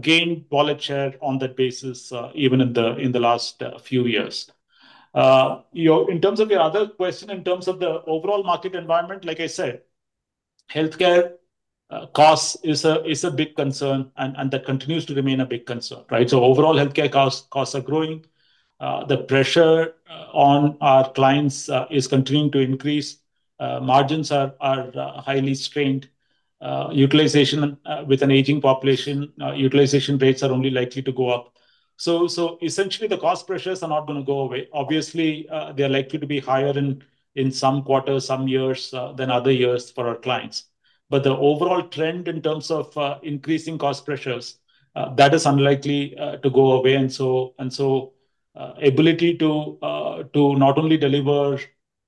gained wallet share on that basis even in the last few years. In terms of your other question, in terms of the overall market environment, like I said, healthcare costs is a big concern, and that continues to remain a big concern, right? So overall healthcare costs are growing. The pressure on our clients is continuing to increase. Margins are highly strained. Utilization with an aging population, utilization rates are only likely to go up. So essentially, the cost pressures are not going to go away. Obviously, they are likely to be higher in some quarters, some years than other years for our clients. But the overall trend in terms of increasing cost pressures, that is unlikely to go away. And so ability to not only deliver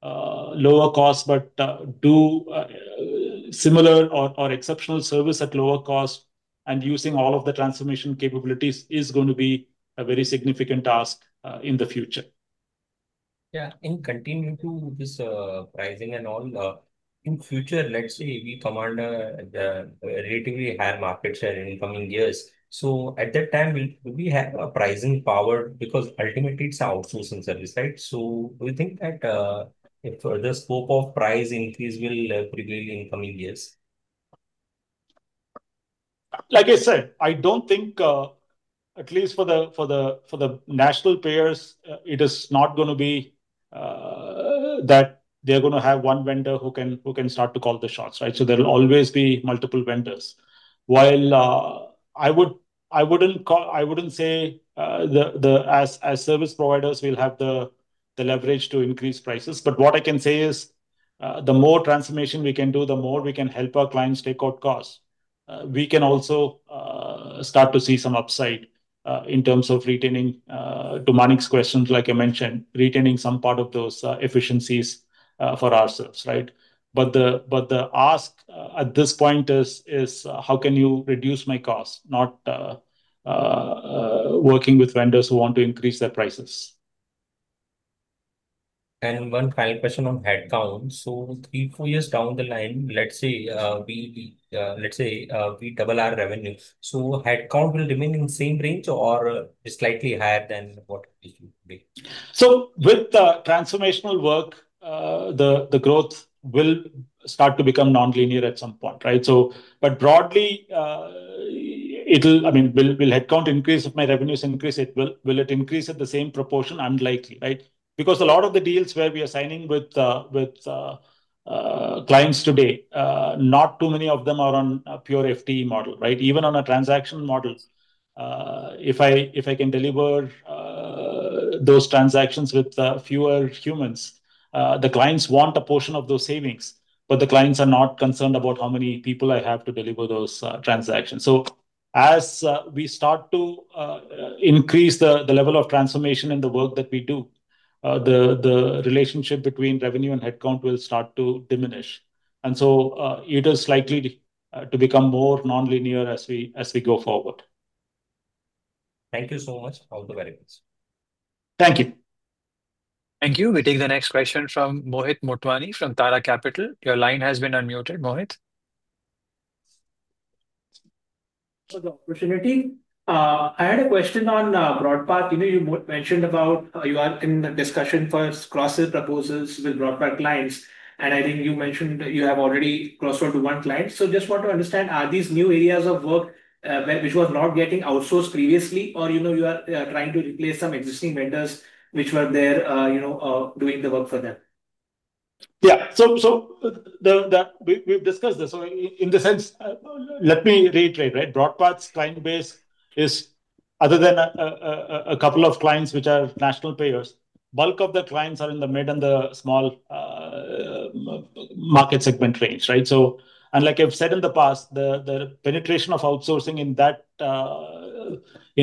lower costs, but do similar or exceptional service at lower cost and using all of the transformation capabilities is going to be a very significant task in the future. Yeah. In continuing to this pricing and all, in future, let's say we command a relatively high market share in coming years. So at that time, will we have a pricing power? Because ultimately, it's an outsourcing service, right? So do you think that the scope of price increase will prevail in coming years? Like I said, I don't think, at least for the national payers, it is not going to be that they're going to have one vendor who can start to call the shots, right? So there will always be multiple vendors. While I wouldn't say as service providers, we'll have the leverage to increase prices. But what I can say is the more transformation we can do, the more we can help our clients take out costs. We can also start to see some upside in terms of retaining, to Manik's question, like I mentioned, retaining some part of those efficiencies for ourselves, right? But the ask at this point is, how can you reduce my cost, not working with vendors who want to increase their prices? And one final question on headcount. So three, four years down the line, let's say we double our revenue. So headcount will remain in the same range or slightly higher than what it used to be? So with the transformational work, the growth will start to become non-linear at some point, right? But broadly, I mean, will headcount increase if my revenues increase? Will it increase at the same proportion? Unlikely, right? Because a lot of the deals where we are signing with clients today, not too many of them are on a pure FTE model, right? Even on a transaction model, if I can deliver those transactions with fewer humans, the clients want a portion of those savings. But the clients are not concerned about how many people I have to deliver those transactions. So as we start to increase the level of transformation in the work that we do, the relationship between revenue and headcount will start to diminish. And so it is likely to become more non-linear as we go forward. Thank you so much. All the very best. Thank you. Thank you. We take the next question from Mohit Motwani from Tara Capital. Your line has been unmuted, Mohit. For the opportunity, I had a question on BroadPath. You mentioned about you are in the discussion for cross-sell proposals with BroadPath clients. And I think you mentioned you have already crossed over to one client. So just want to understand, are these new areas of work which were not getting outsourced previously, or you are trying to replace some existing vendors which were there doing the work for them? Yeah. So we've discussed this. So in the sense, let me reiterate, right? BroadPath's client base is other than a couple of clients which are national payers, bulk of the clients are in the mid and the small market segment range, right? So and like I've said in the past, the penetration of outsourcing in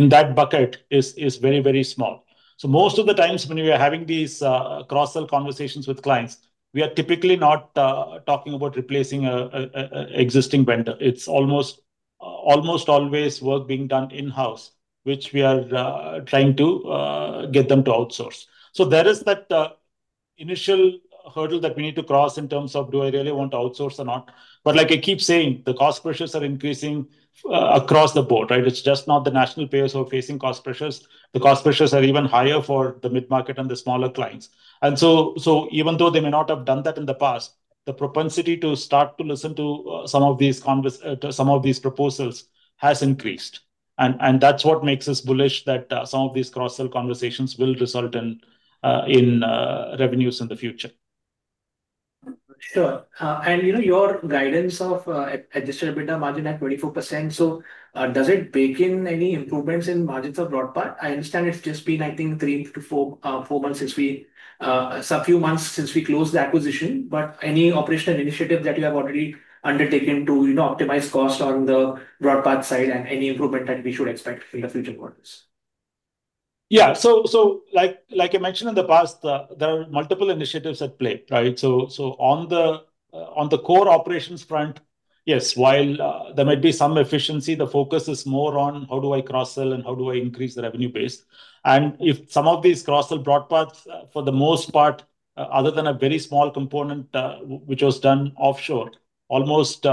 that bucket is very, very small. So most of the times when we are having these cross-sell conversations with clients, we are typically not talking about replacing an existing vendor. It's almost always work being done in-house, which we are trying to get them to outsource. So there is that initial hurdle that we need to cross in terms of do I really want to outsource or not. But like I keep saying, the cost pressures are increasing across the board, right? It's just not the national payers who are facing cost pressures. The cost pressures are even higher for the mid-market and the smaller clients. And so even though they may not have done that in the past, the propensity to start to listen to some of these proposals has increased. And that's what makes us bullish that some of these cross-sell conversations will result in revenues in the future. Sure. And your guidance of Adjusted EBITDA margin at 24%, so does it bake in any improvements in margins of BroadPath? I understand it's just been, I think, three to four months since we, a few months since we closed the acquisition. But any operational initiative that you have already undertaken to optimize cost on the BroadPath side and any improvement that we should expect in the future for this? Yeah. So like I mentioned in the past, there are multiple initiatives at play, right? So on the core operations front, yes, while there might be some efficiency, the focus is more on how do I cross-sell and how do I increase the revenue base. And if some of these cross-sell BroadPath, for the most part, other than a very small component which was done offshore, almost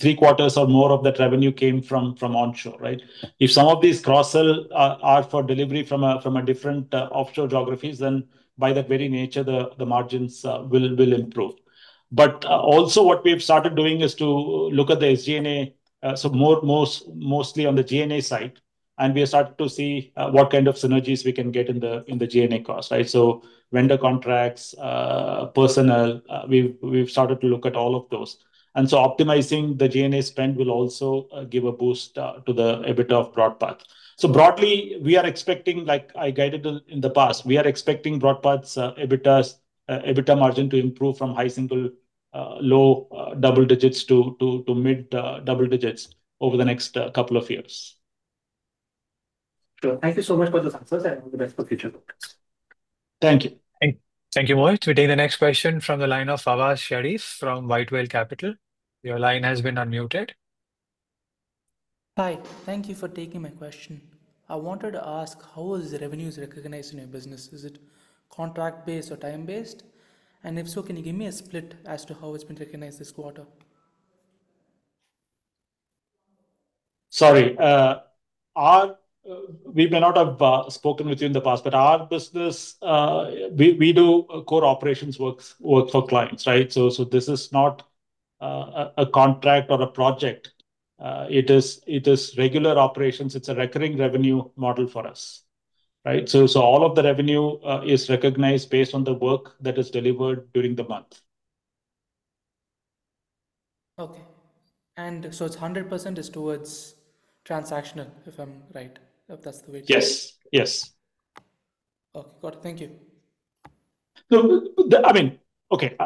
three quarters or more of that revenue came from onshore, right? If some of these cross-sell are for delivery from a different offshore geographies, then by that very nature, the margins will improve. But also what we've started doing is to look at the SG&A, so mostly on the G&A side. And we have started to see what kind of synergies we can get in the G&A cost, right? So vendor contracts, personnel, we've started to look at all of those. And so optimizing the G&A spend will also give a boost to the EBITDA of BroadPath. So broadly, we are expecting, like I guided in the past, we are expecting BroadPath's EBITDA margin to improve from high single low double digits to mid double digits over the next couple of years. Thank you so much for the answers. I hope the best for future. Thank you. Thank you, Mohit. We take the next question from the line of Awais Sharif from White Whale Partners. Your line has been unmuted. Hi. Thank you for taking my question. I wanted to ask, how is revenues recognized in your business? Is it contract-based or time-based? And if so, can you give me a split as to how it's been recognized this quarter? Sorry. We may not have spoken with you in the past, but our business, we do core operations work for clients, right? So this is not a contract or a project. It is regular operations. It's a recurring revenue model for us, right? So all of the revenue is recognized based on the work that is delivered during the month. Okay. And so it's 100% is towards transactional, if I'm right, if that's the way to say it? Yes. Yes. Okay. Got it. Thank you. So I mean, okay,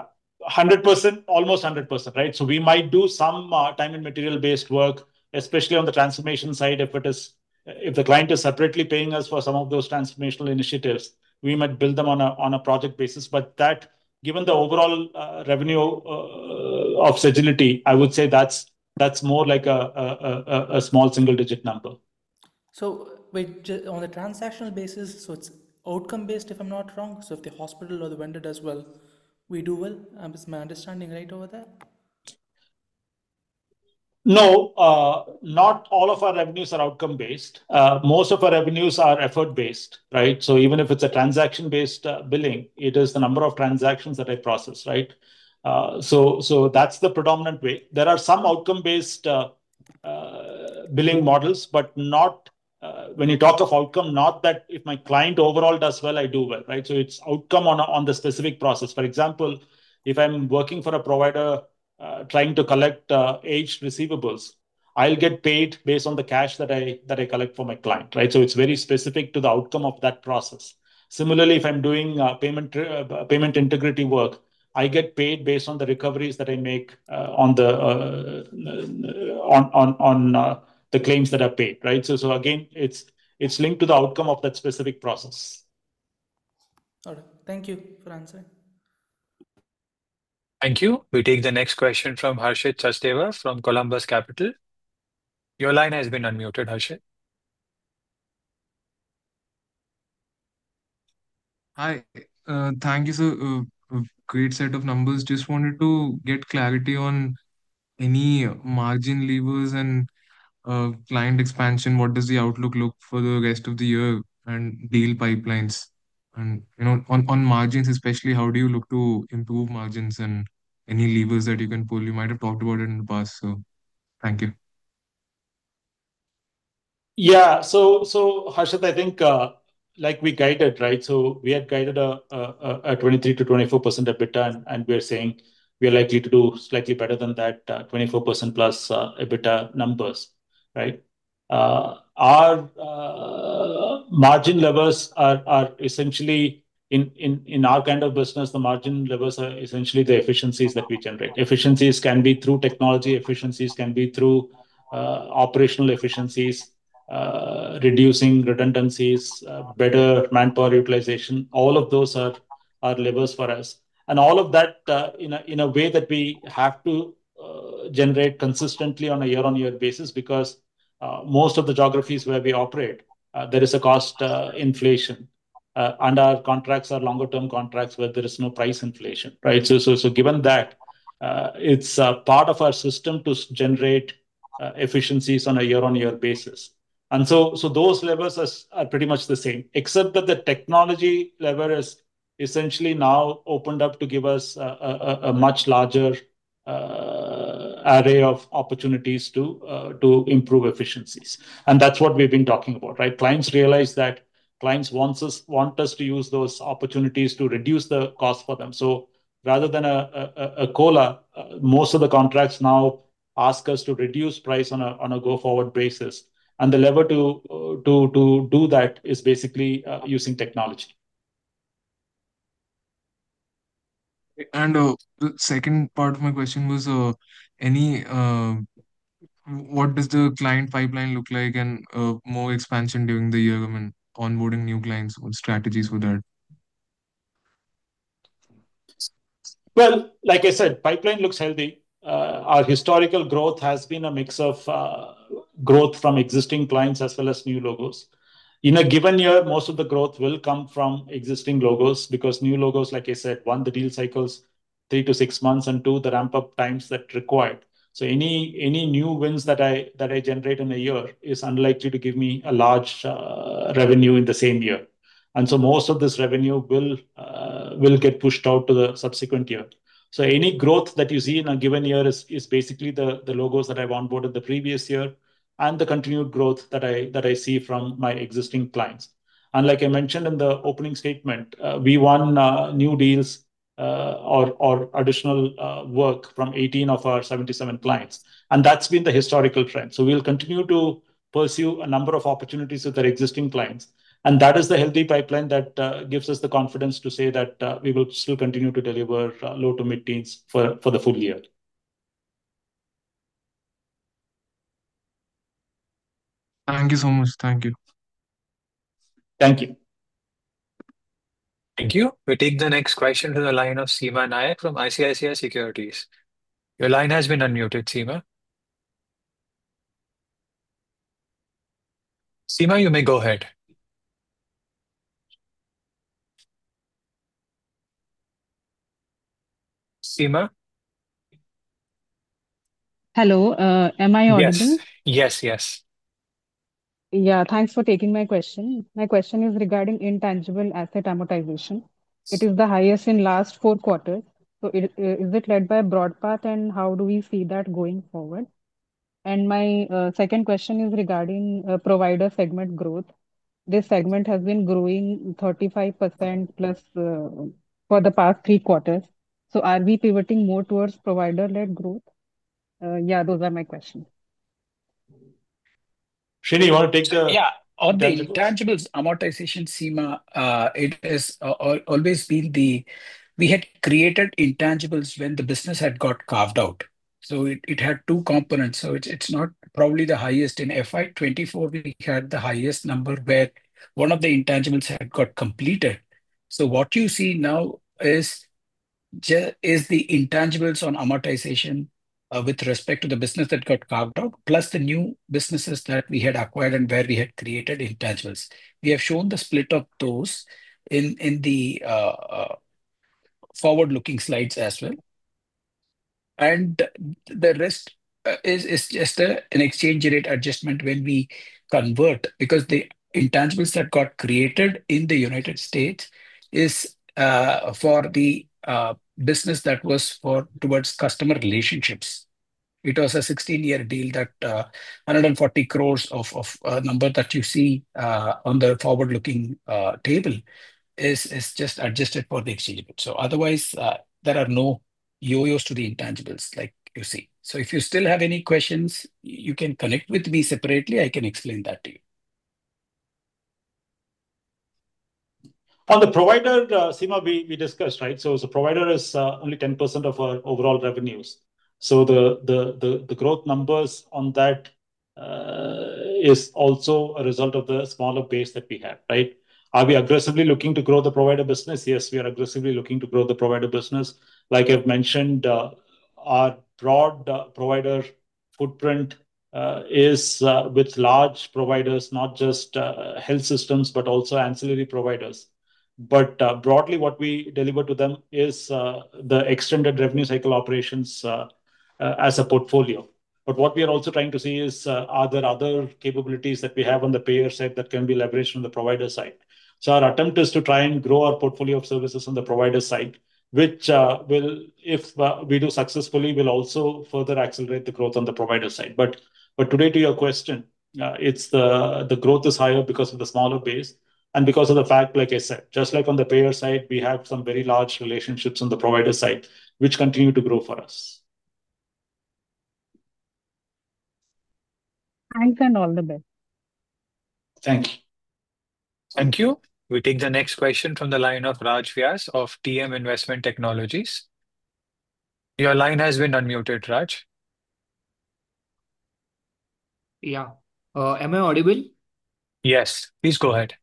100%, almost 100%, right? So we might do some time and material-based work, especially on the transformation side. If the client is separately paying us for some of those transformational initiatives, we might build them on a project basis. But given the overall revenue of Sagility, I would say that's more like a small single-digit number. So on the transactional basis, so it's outcome-based, if I'm not wrong. So if the hospital or the vendor does well, we do well. Is my understanding right over there? No, not all of our revenues are outcome-based. Most of our revenues are effort-based, right? So even if it's a transaction-based billing, it is the number of transactions that I process, right? So that's the predominant way. There are some outcome-based billing models, but when you talk of outcome, not that if my client overall does well, I do well, right? So it's outcome on the specific process. For example, if I'm working for a provider trying to collect aged receivables, I'll get paid based on the cash that I collect for my client, right? So it's very specific to the outcome of that process. Similarly, if I'm doing payment integrity work, I get paid based on the recoveries that I make on the claims that are paid, right? So again, it's linked to the outcome of that specific process. All right. Thank you for answering. Thank you. We take the next question from Harshit Satyadeva from Columbus Capital. Your line has been unmuted, Harshit. Hi. Thank you. So great set of numbers. Just wanted to get clarity on any margin levers and client expansion. What does the outlook look for the rest of the year and deal pipelines? And on margins, especially, how do you look to improve margins and any levers that you can pull? You might have talked about it in the past. So thank you. Yeah. So Harshit, I think like we guided, right? So we had guided a 23%-24% EBITDA, and we are saying we are likely to do slightly better than that 24% plus EBITDA numbers, right? Our margin levers are essentially in our kind of business, the margin levers are essentially the efficiencies that we generate. Efficiencies can be through technology. Efficiencies can be through operational efficiencies, reducing redundancies, better manpower utilization. All of those are levers for us. And all of that in a way that we have to generate consistently on a year-on-year basis because most of the geographies where we operate, there is a cost inflation. And our contracts are longer-term contracts where there is no price inflation, right? So given that, it's part of our system to generate efficiencies on a year-on-year basis. And so those levers are pretty much the same, except that the technology lever has essentially now opened up to give us a much larger array of opportunities to improve efficiencies. And that's what we've been talking about, right? Clients realize that clients want us to use those opportunities to reduce the cost for them. So rather than a COLA, most of the contracts now ask us to reduce price on a go-forward basis. And the lever to do that is basically using technology. And the second part of my question was, what does the client pipeline look like and more expansion during the year when onboarding new clients? What strategies would that? Well, like I said, pipeline looks healthy. Our historical growth has been a mix of growth from existing clients as well as new logos. In a given year, most of the growth will come from existing logos because new logos, like I said, one, the deal cycles, three to six months, and two, the ramp-up times that required. So any new wins that I generate in a year is unlikely to give me a large revenue in the same year. And so most of this revenue will get pushed out to the subsequent year. So any growth that you see in a given year is basically the logos that I've onboarded the previous year and the continued growth that I see from my existing clients. And like I mentioned in the opening statement, we won new deals or additional work from 18 of our 77 clients. And that's been the historical trend. So we'll continue to pursue a number of opportunities with our existing clients. And that is the healthy pipeline that gives us the confidence to say that we will still continue to deliver low to mid-teens for the full year. Thank you so much. Thank you. Thank you. Thank you. We take the next question to the line of Seema Nayak from ICICI Securities. Your line has been unmuted, Seema. Seema, you may go ahead. Seema? Hello. Am I audible? Yes. Yes. Yes. Yeah. Thanks for taking my question. My question is regarding intangible asset amortization. It is the highest in last four quarters. So is it led by BroadPath, and how do we see that going forward? And my second question is regarding provider segment growth. This segment has been growing 35% plus for the past three quarters. So are we pivoting more towards provider-led growth? Yeah, those are my questions. Srini, you want to take the? Yeah. On the intangibles amortization, Seema, it has always been the we had created intangibles when the business had got carved out. It had two components. It is not probably the highest in FY 2024; we had the highest number where one of the intangibles had got completed. What you see now is the intangibles amortization with respect to the business that got carved out, plus the new businesses that we had acquired and where we had created intangibles. We have shown the split of those in the forward-looking slides as well. The rest is just an exchange rate adjustment when we convert because the intangibles that got created in the United States are for the business that was towards customer relationships. It was a 16-year deal. That 140 crore number that you see on the forward-looking table is just adjusted for the exchange rate. So otherwise, there are no yo-yos to the intangibles like you see. So if you still have any questions, you can connect with me separately. I can explain that to you. On the provider, Seema, we discussed, right? So the provider is only 10% of our overall revenues. So the growth numbers on that is also a result of the smaller base that we have, right? Are we aggressively looking to grow the provider business? Yes, we are aggressively looking to grow the provider business. Like I've mentioned, our broad provider footprint is with large providers, not just health systems, but also ancillary providers. But broadly, what we deliver to them is the extended revenue cycle operations as a portfolio. But what we are also trying to see is are there other capabilities that we have on the payer side that can be leveraged on the provider side? So our attempt is to try and grow our portfolio of services on the provider side, which, if we do successfully, will also further accelerate the growth on the provider side. But today, to your question, the growth is higher because of the smaller base and because of the fact, like I said, just like on the payer side, we have some very large relationships on the provider side, which continue to grow for us. Thanks and all the best. Thank you. Thank you. We take the next question from the line of Raj Vyas of TM Investment Technologies. Your line has been unmuted, Raj. Yeah. Am I audible? Yes. Please go ahead.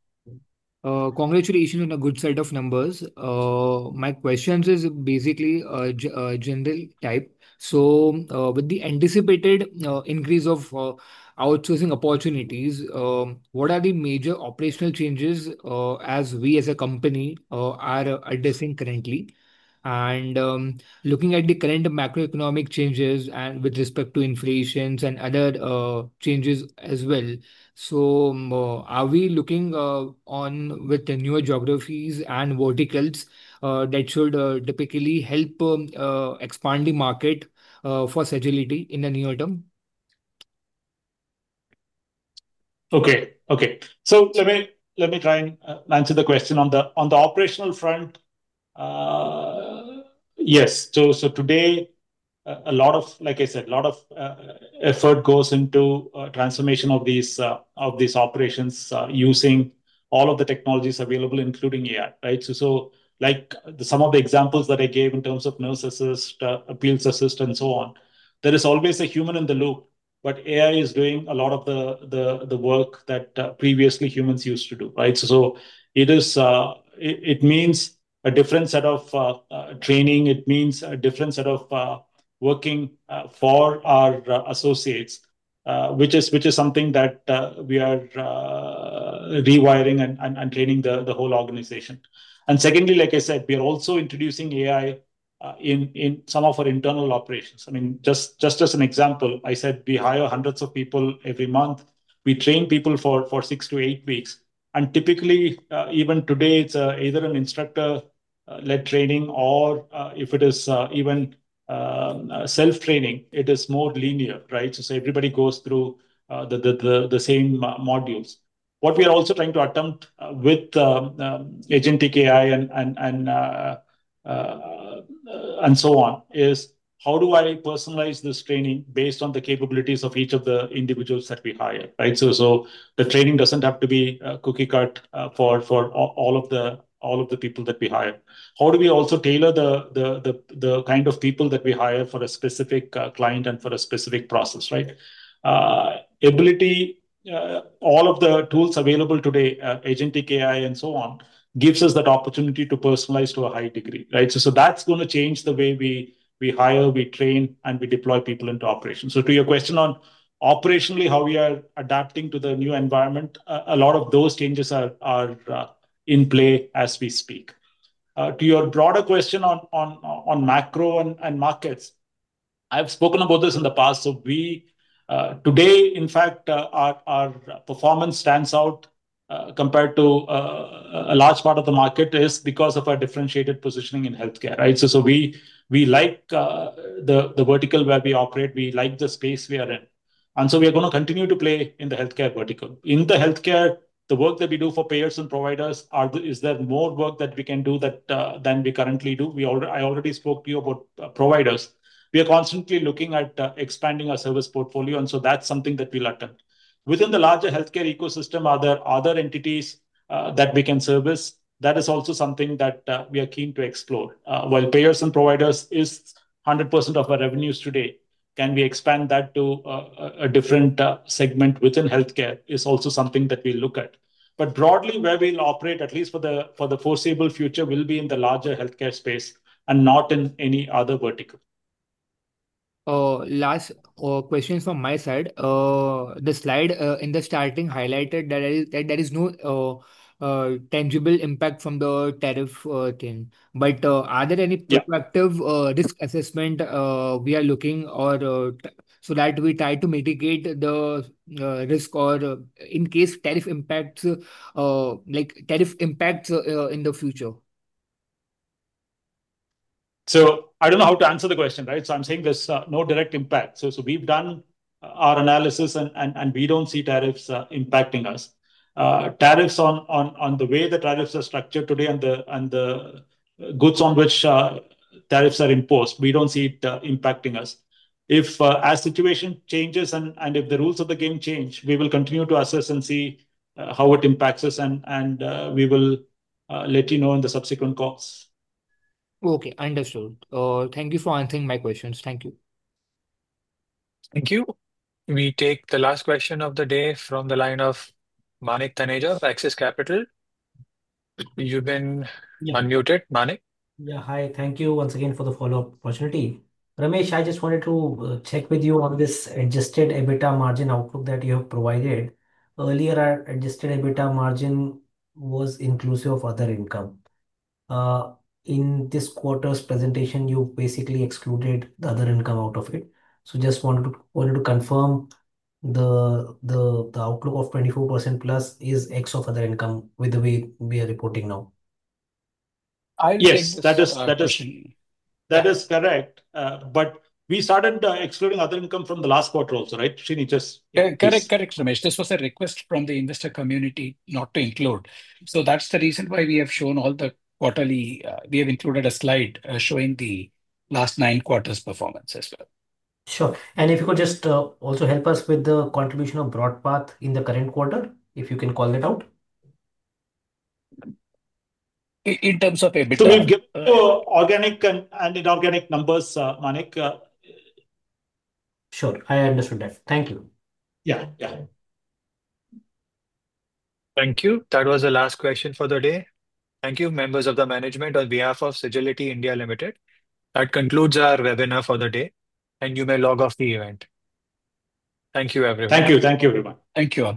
Congratulations on a good set of numbers. My question is basically a general type. So with the anticipated increase of outsourcing opportunities, what are the major operational changes as we as a company are addressing currently? Looking at the current macroeconomic changes and with respect to inflations and other changes as well, so are we looking on with the newer geographies and verticals that should typically help expand the market for Sagility in the near term? Okay. Okay. So let me try and answer the question. On the operational front, yes. So today, like I said, a lot of effort goes into transformation of these operations using all of the technologies available, including AI, right? So like some of the examples that I gave in terms of Nurse Assist, Appeals Assist, and so on, there is always a human in the loop, but AI is doing a lot of the work that previously humans used to do, right? So it means a different set of training. It means a different set of working for our associates, which is something that we are rewiring and training the whole organization, and secondly, like I said, we are also introducing AI in some of our internal operations. I mean, just as an example, I said we hire hundreds of people every month. We train people for six to eight weeks, and typically, even today, it's either an instructor-led training or if it is even self-training, it is more linear, right, so everybody goes through the same modules. What we are also trying to attempt with Agentic AI and so on is how do I personalize this training based on the capabilities of each of the individuals that we hire, right, so the training doesn't have to be cookie-cutter for all of the people that we hire. How do we also tailor the kind of people that we hire for a specific client and for a specific process, right? The ability, all of the tools available today, Agentic AI and so on, gives us that opportunity to personalize to a high degree, right? So that's going to change the way we hire, we train, and we deploy people into operations. So to your question on operationally, how we are adapting to the new environment, a lot of those changes are in play as we speak. To your broader question on macro and markets, I've spoken about this in the past. So today, in fact, our performance stands out compared to a large part of the market, is because of our differentiated positioning in healthcare, right? So we like the vertical where we operate. We like the space we are in. And so we are going to continue to play in the healthcare vertical. In the healthcare, the work that we do for payers and providers, is there more work that we can do than we currently do? I already spoke to you about providers. We are constantly looking at expanding our service portfolio, and so that's something that we'll attempt. Within the larger healthcare ecosystem, are there other entities that we can service? That is also something that we are keen to explore. While payers and providers is 100% of our revenues today, can we expand that to a different segment within healthcare? That is also something that we look at. But broadly, where we'll operate, at least for the foreseeable future, will be in the larger healthcare space and not in any other vertical. Last question from my side. The slide in the starting highlighted that there is no tangible impact from the tariff thing. But are there any proactive risk assessment we are looking for so that we try to mitigate the risk or in case tariff impacts like tariff impacts in the future? So I don't know how to answer the question, right? So I'm saying there's no direct impact. So we've done our analysis, and we don't see tariffs impacting us. Tariffs on the way the tariffs are structured today and the goods on which tariffs are imposed, we don't see it impacting us. If our situation changes and if the rules of the game change, we will continue to assess and see how it impacts us, and we will let you know in the subsequent calls. Okay. I understood. Thank you for answering my questions. Thank you. Thank you. We take the last question of the day from the line of Manik Taneja of Axis Capital. You've been unmuted, Manik. Yeah. Hi. Thank you once again for the follow-up opportunity. Ramesh, I just wanted to check with you on this Adjusted EBITDA margin outlook that you have provided. Earlier, our Adjusted EBITDA margin was inclusive of other income. In this quarter's presentation, you basically excluded the other income out of it. So just wanted to confirm the outlook of 24% plus is ex of other income with the way we are reporting now. Yes. That is correct. But we started excluding other income from the last quarter also, right? Correct. Correct, Ramesh. This was a request from the investor community not to include. So that's the reason why we have shown all the quarterly. We have included a slide showing the last nine quarters' performance as well. Sure. And if you could just also help us with the contribution of BroadPath in the current quarter, if you can call it out. In terms of EBITDA? Organic and inorganic numbers, Manik. Sure. I understood that. Thank you. Yeah. Yeah. Thank you. That was the last question for the day. Thank you, members of the management on behalf of Sagility India Limited. That concludes our webinar for the day, and you may log off the event. Thank you, everyone. Thank you. Thank you, everyone. Thank you.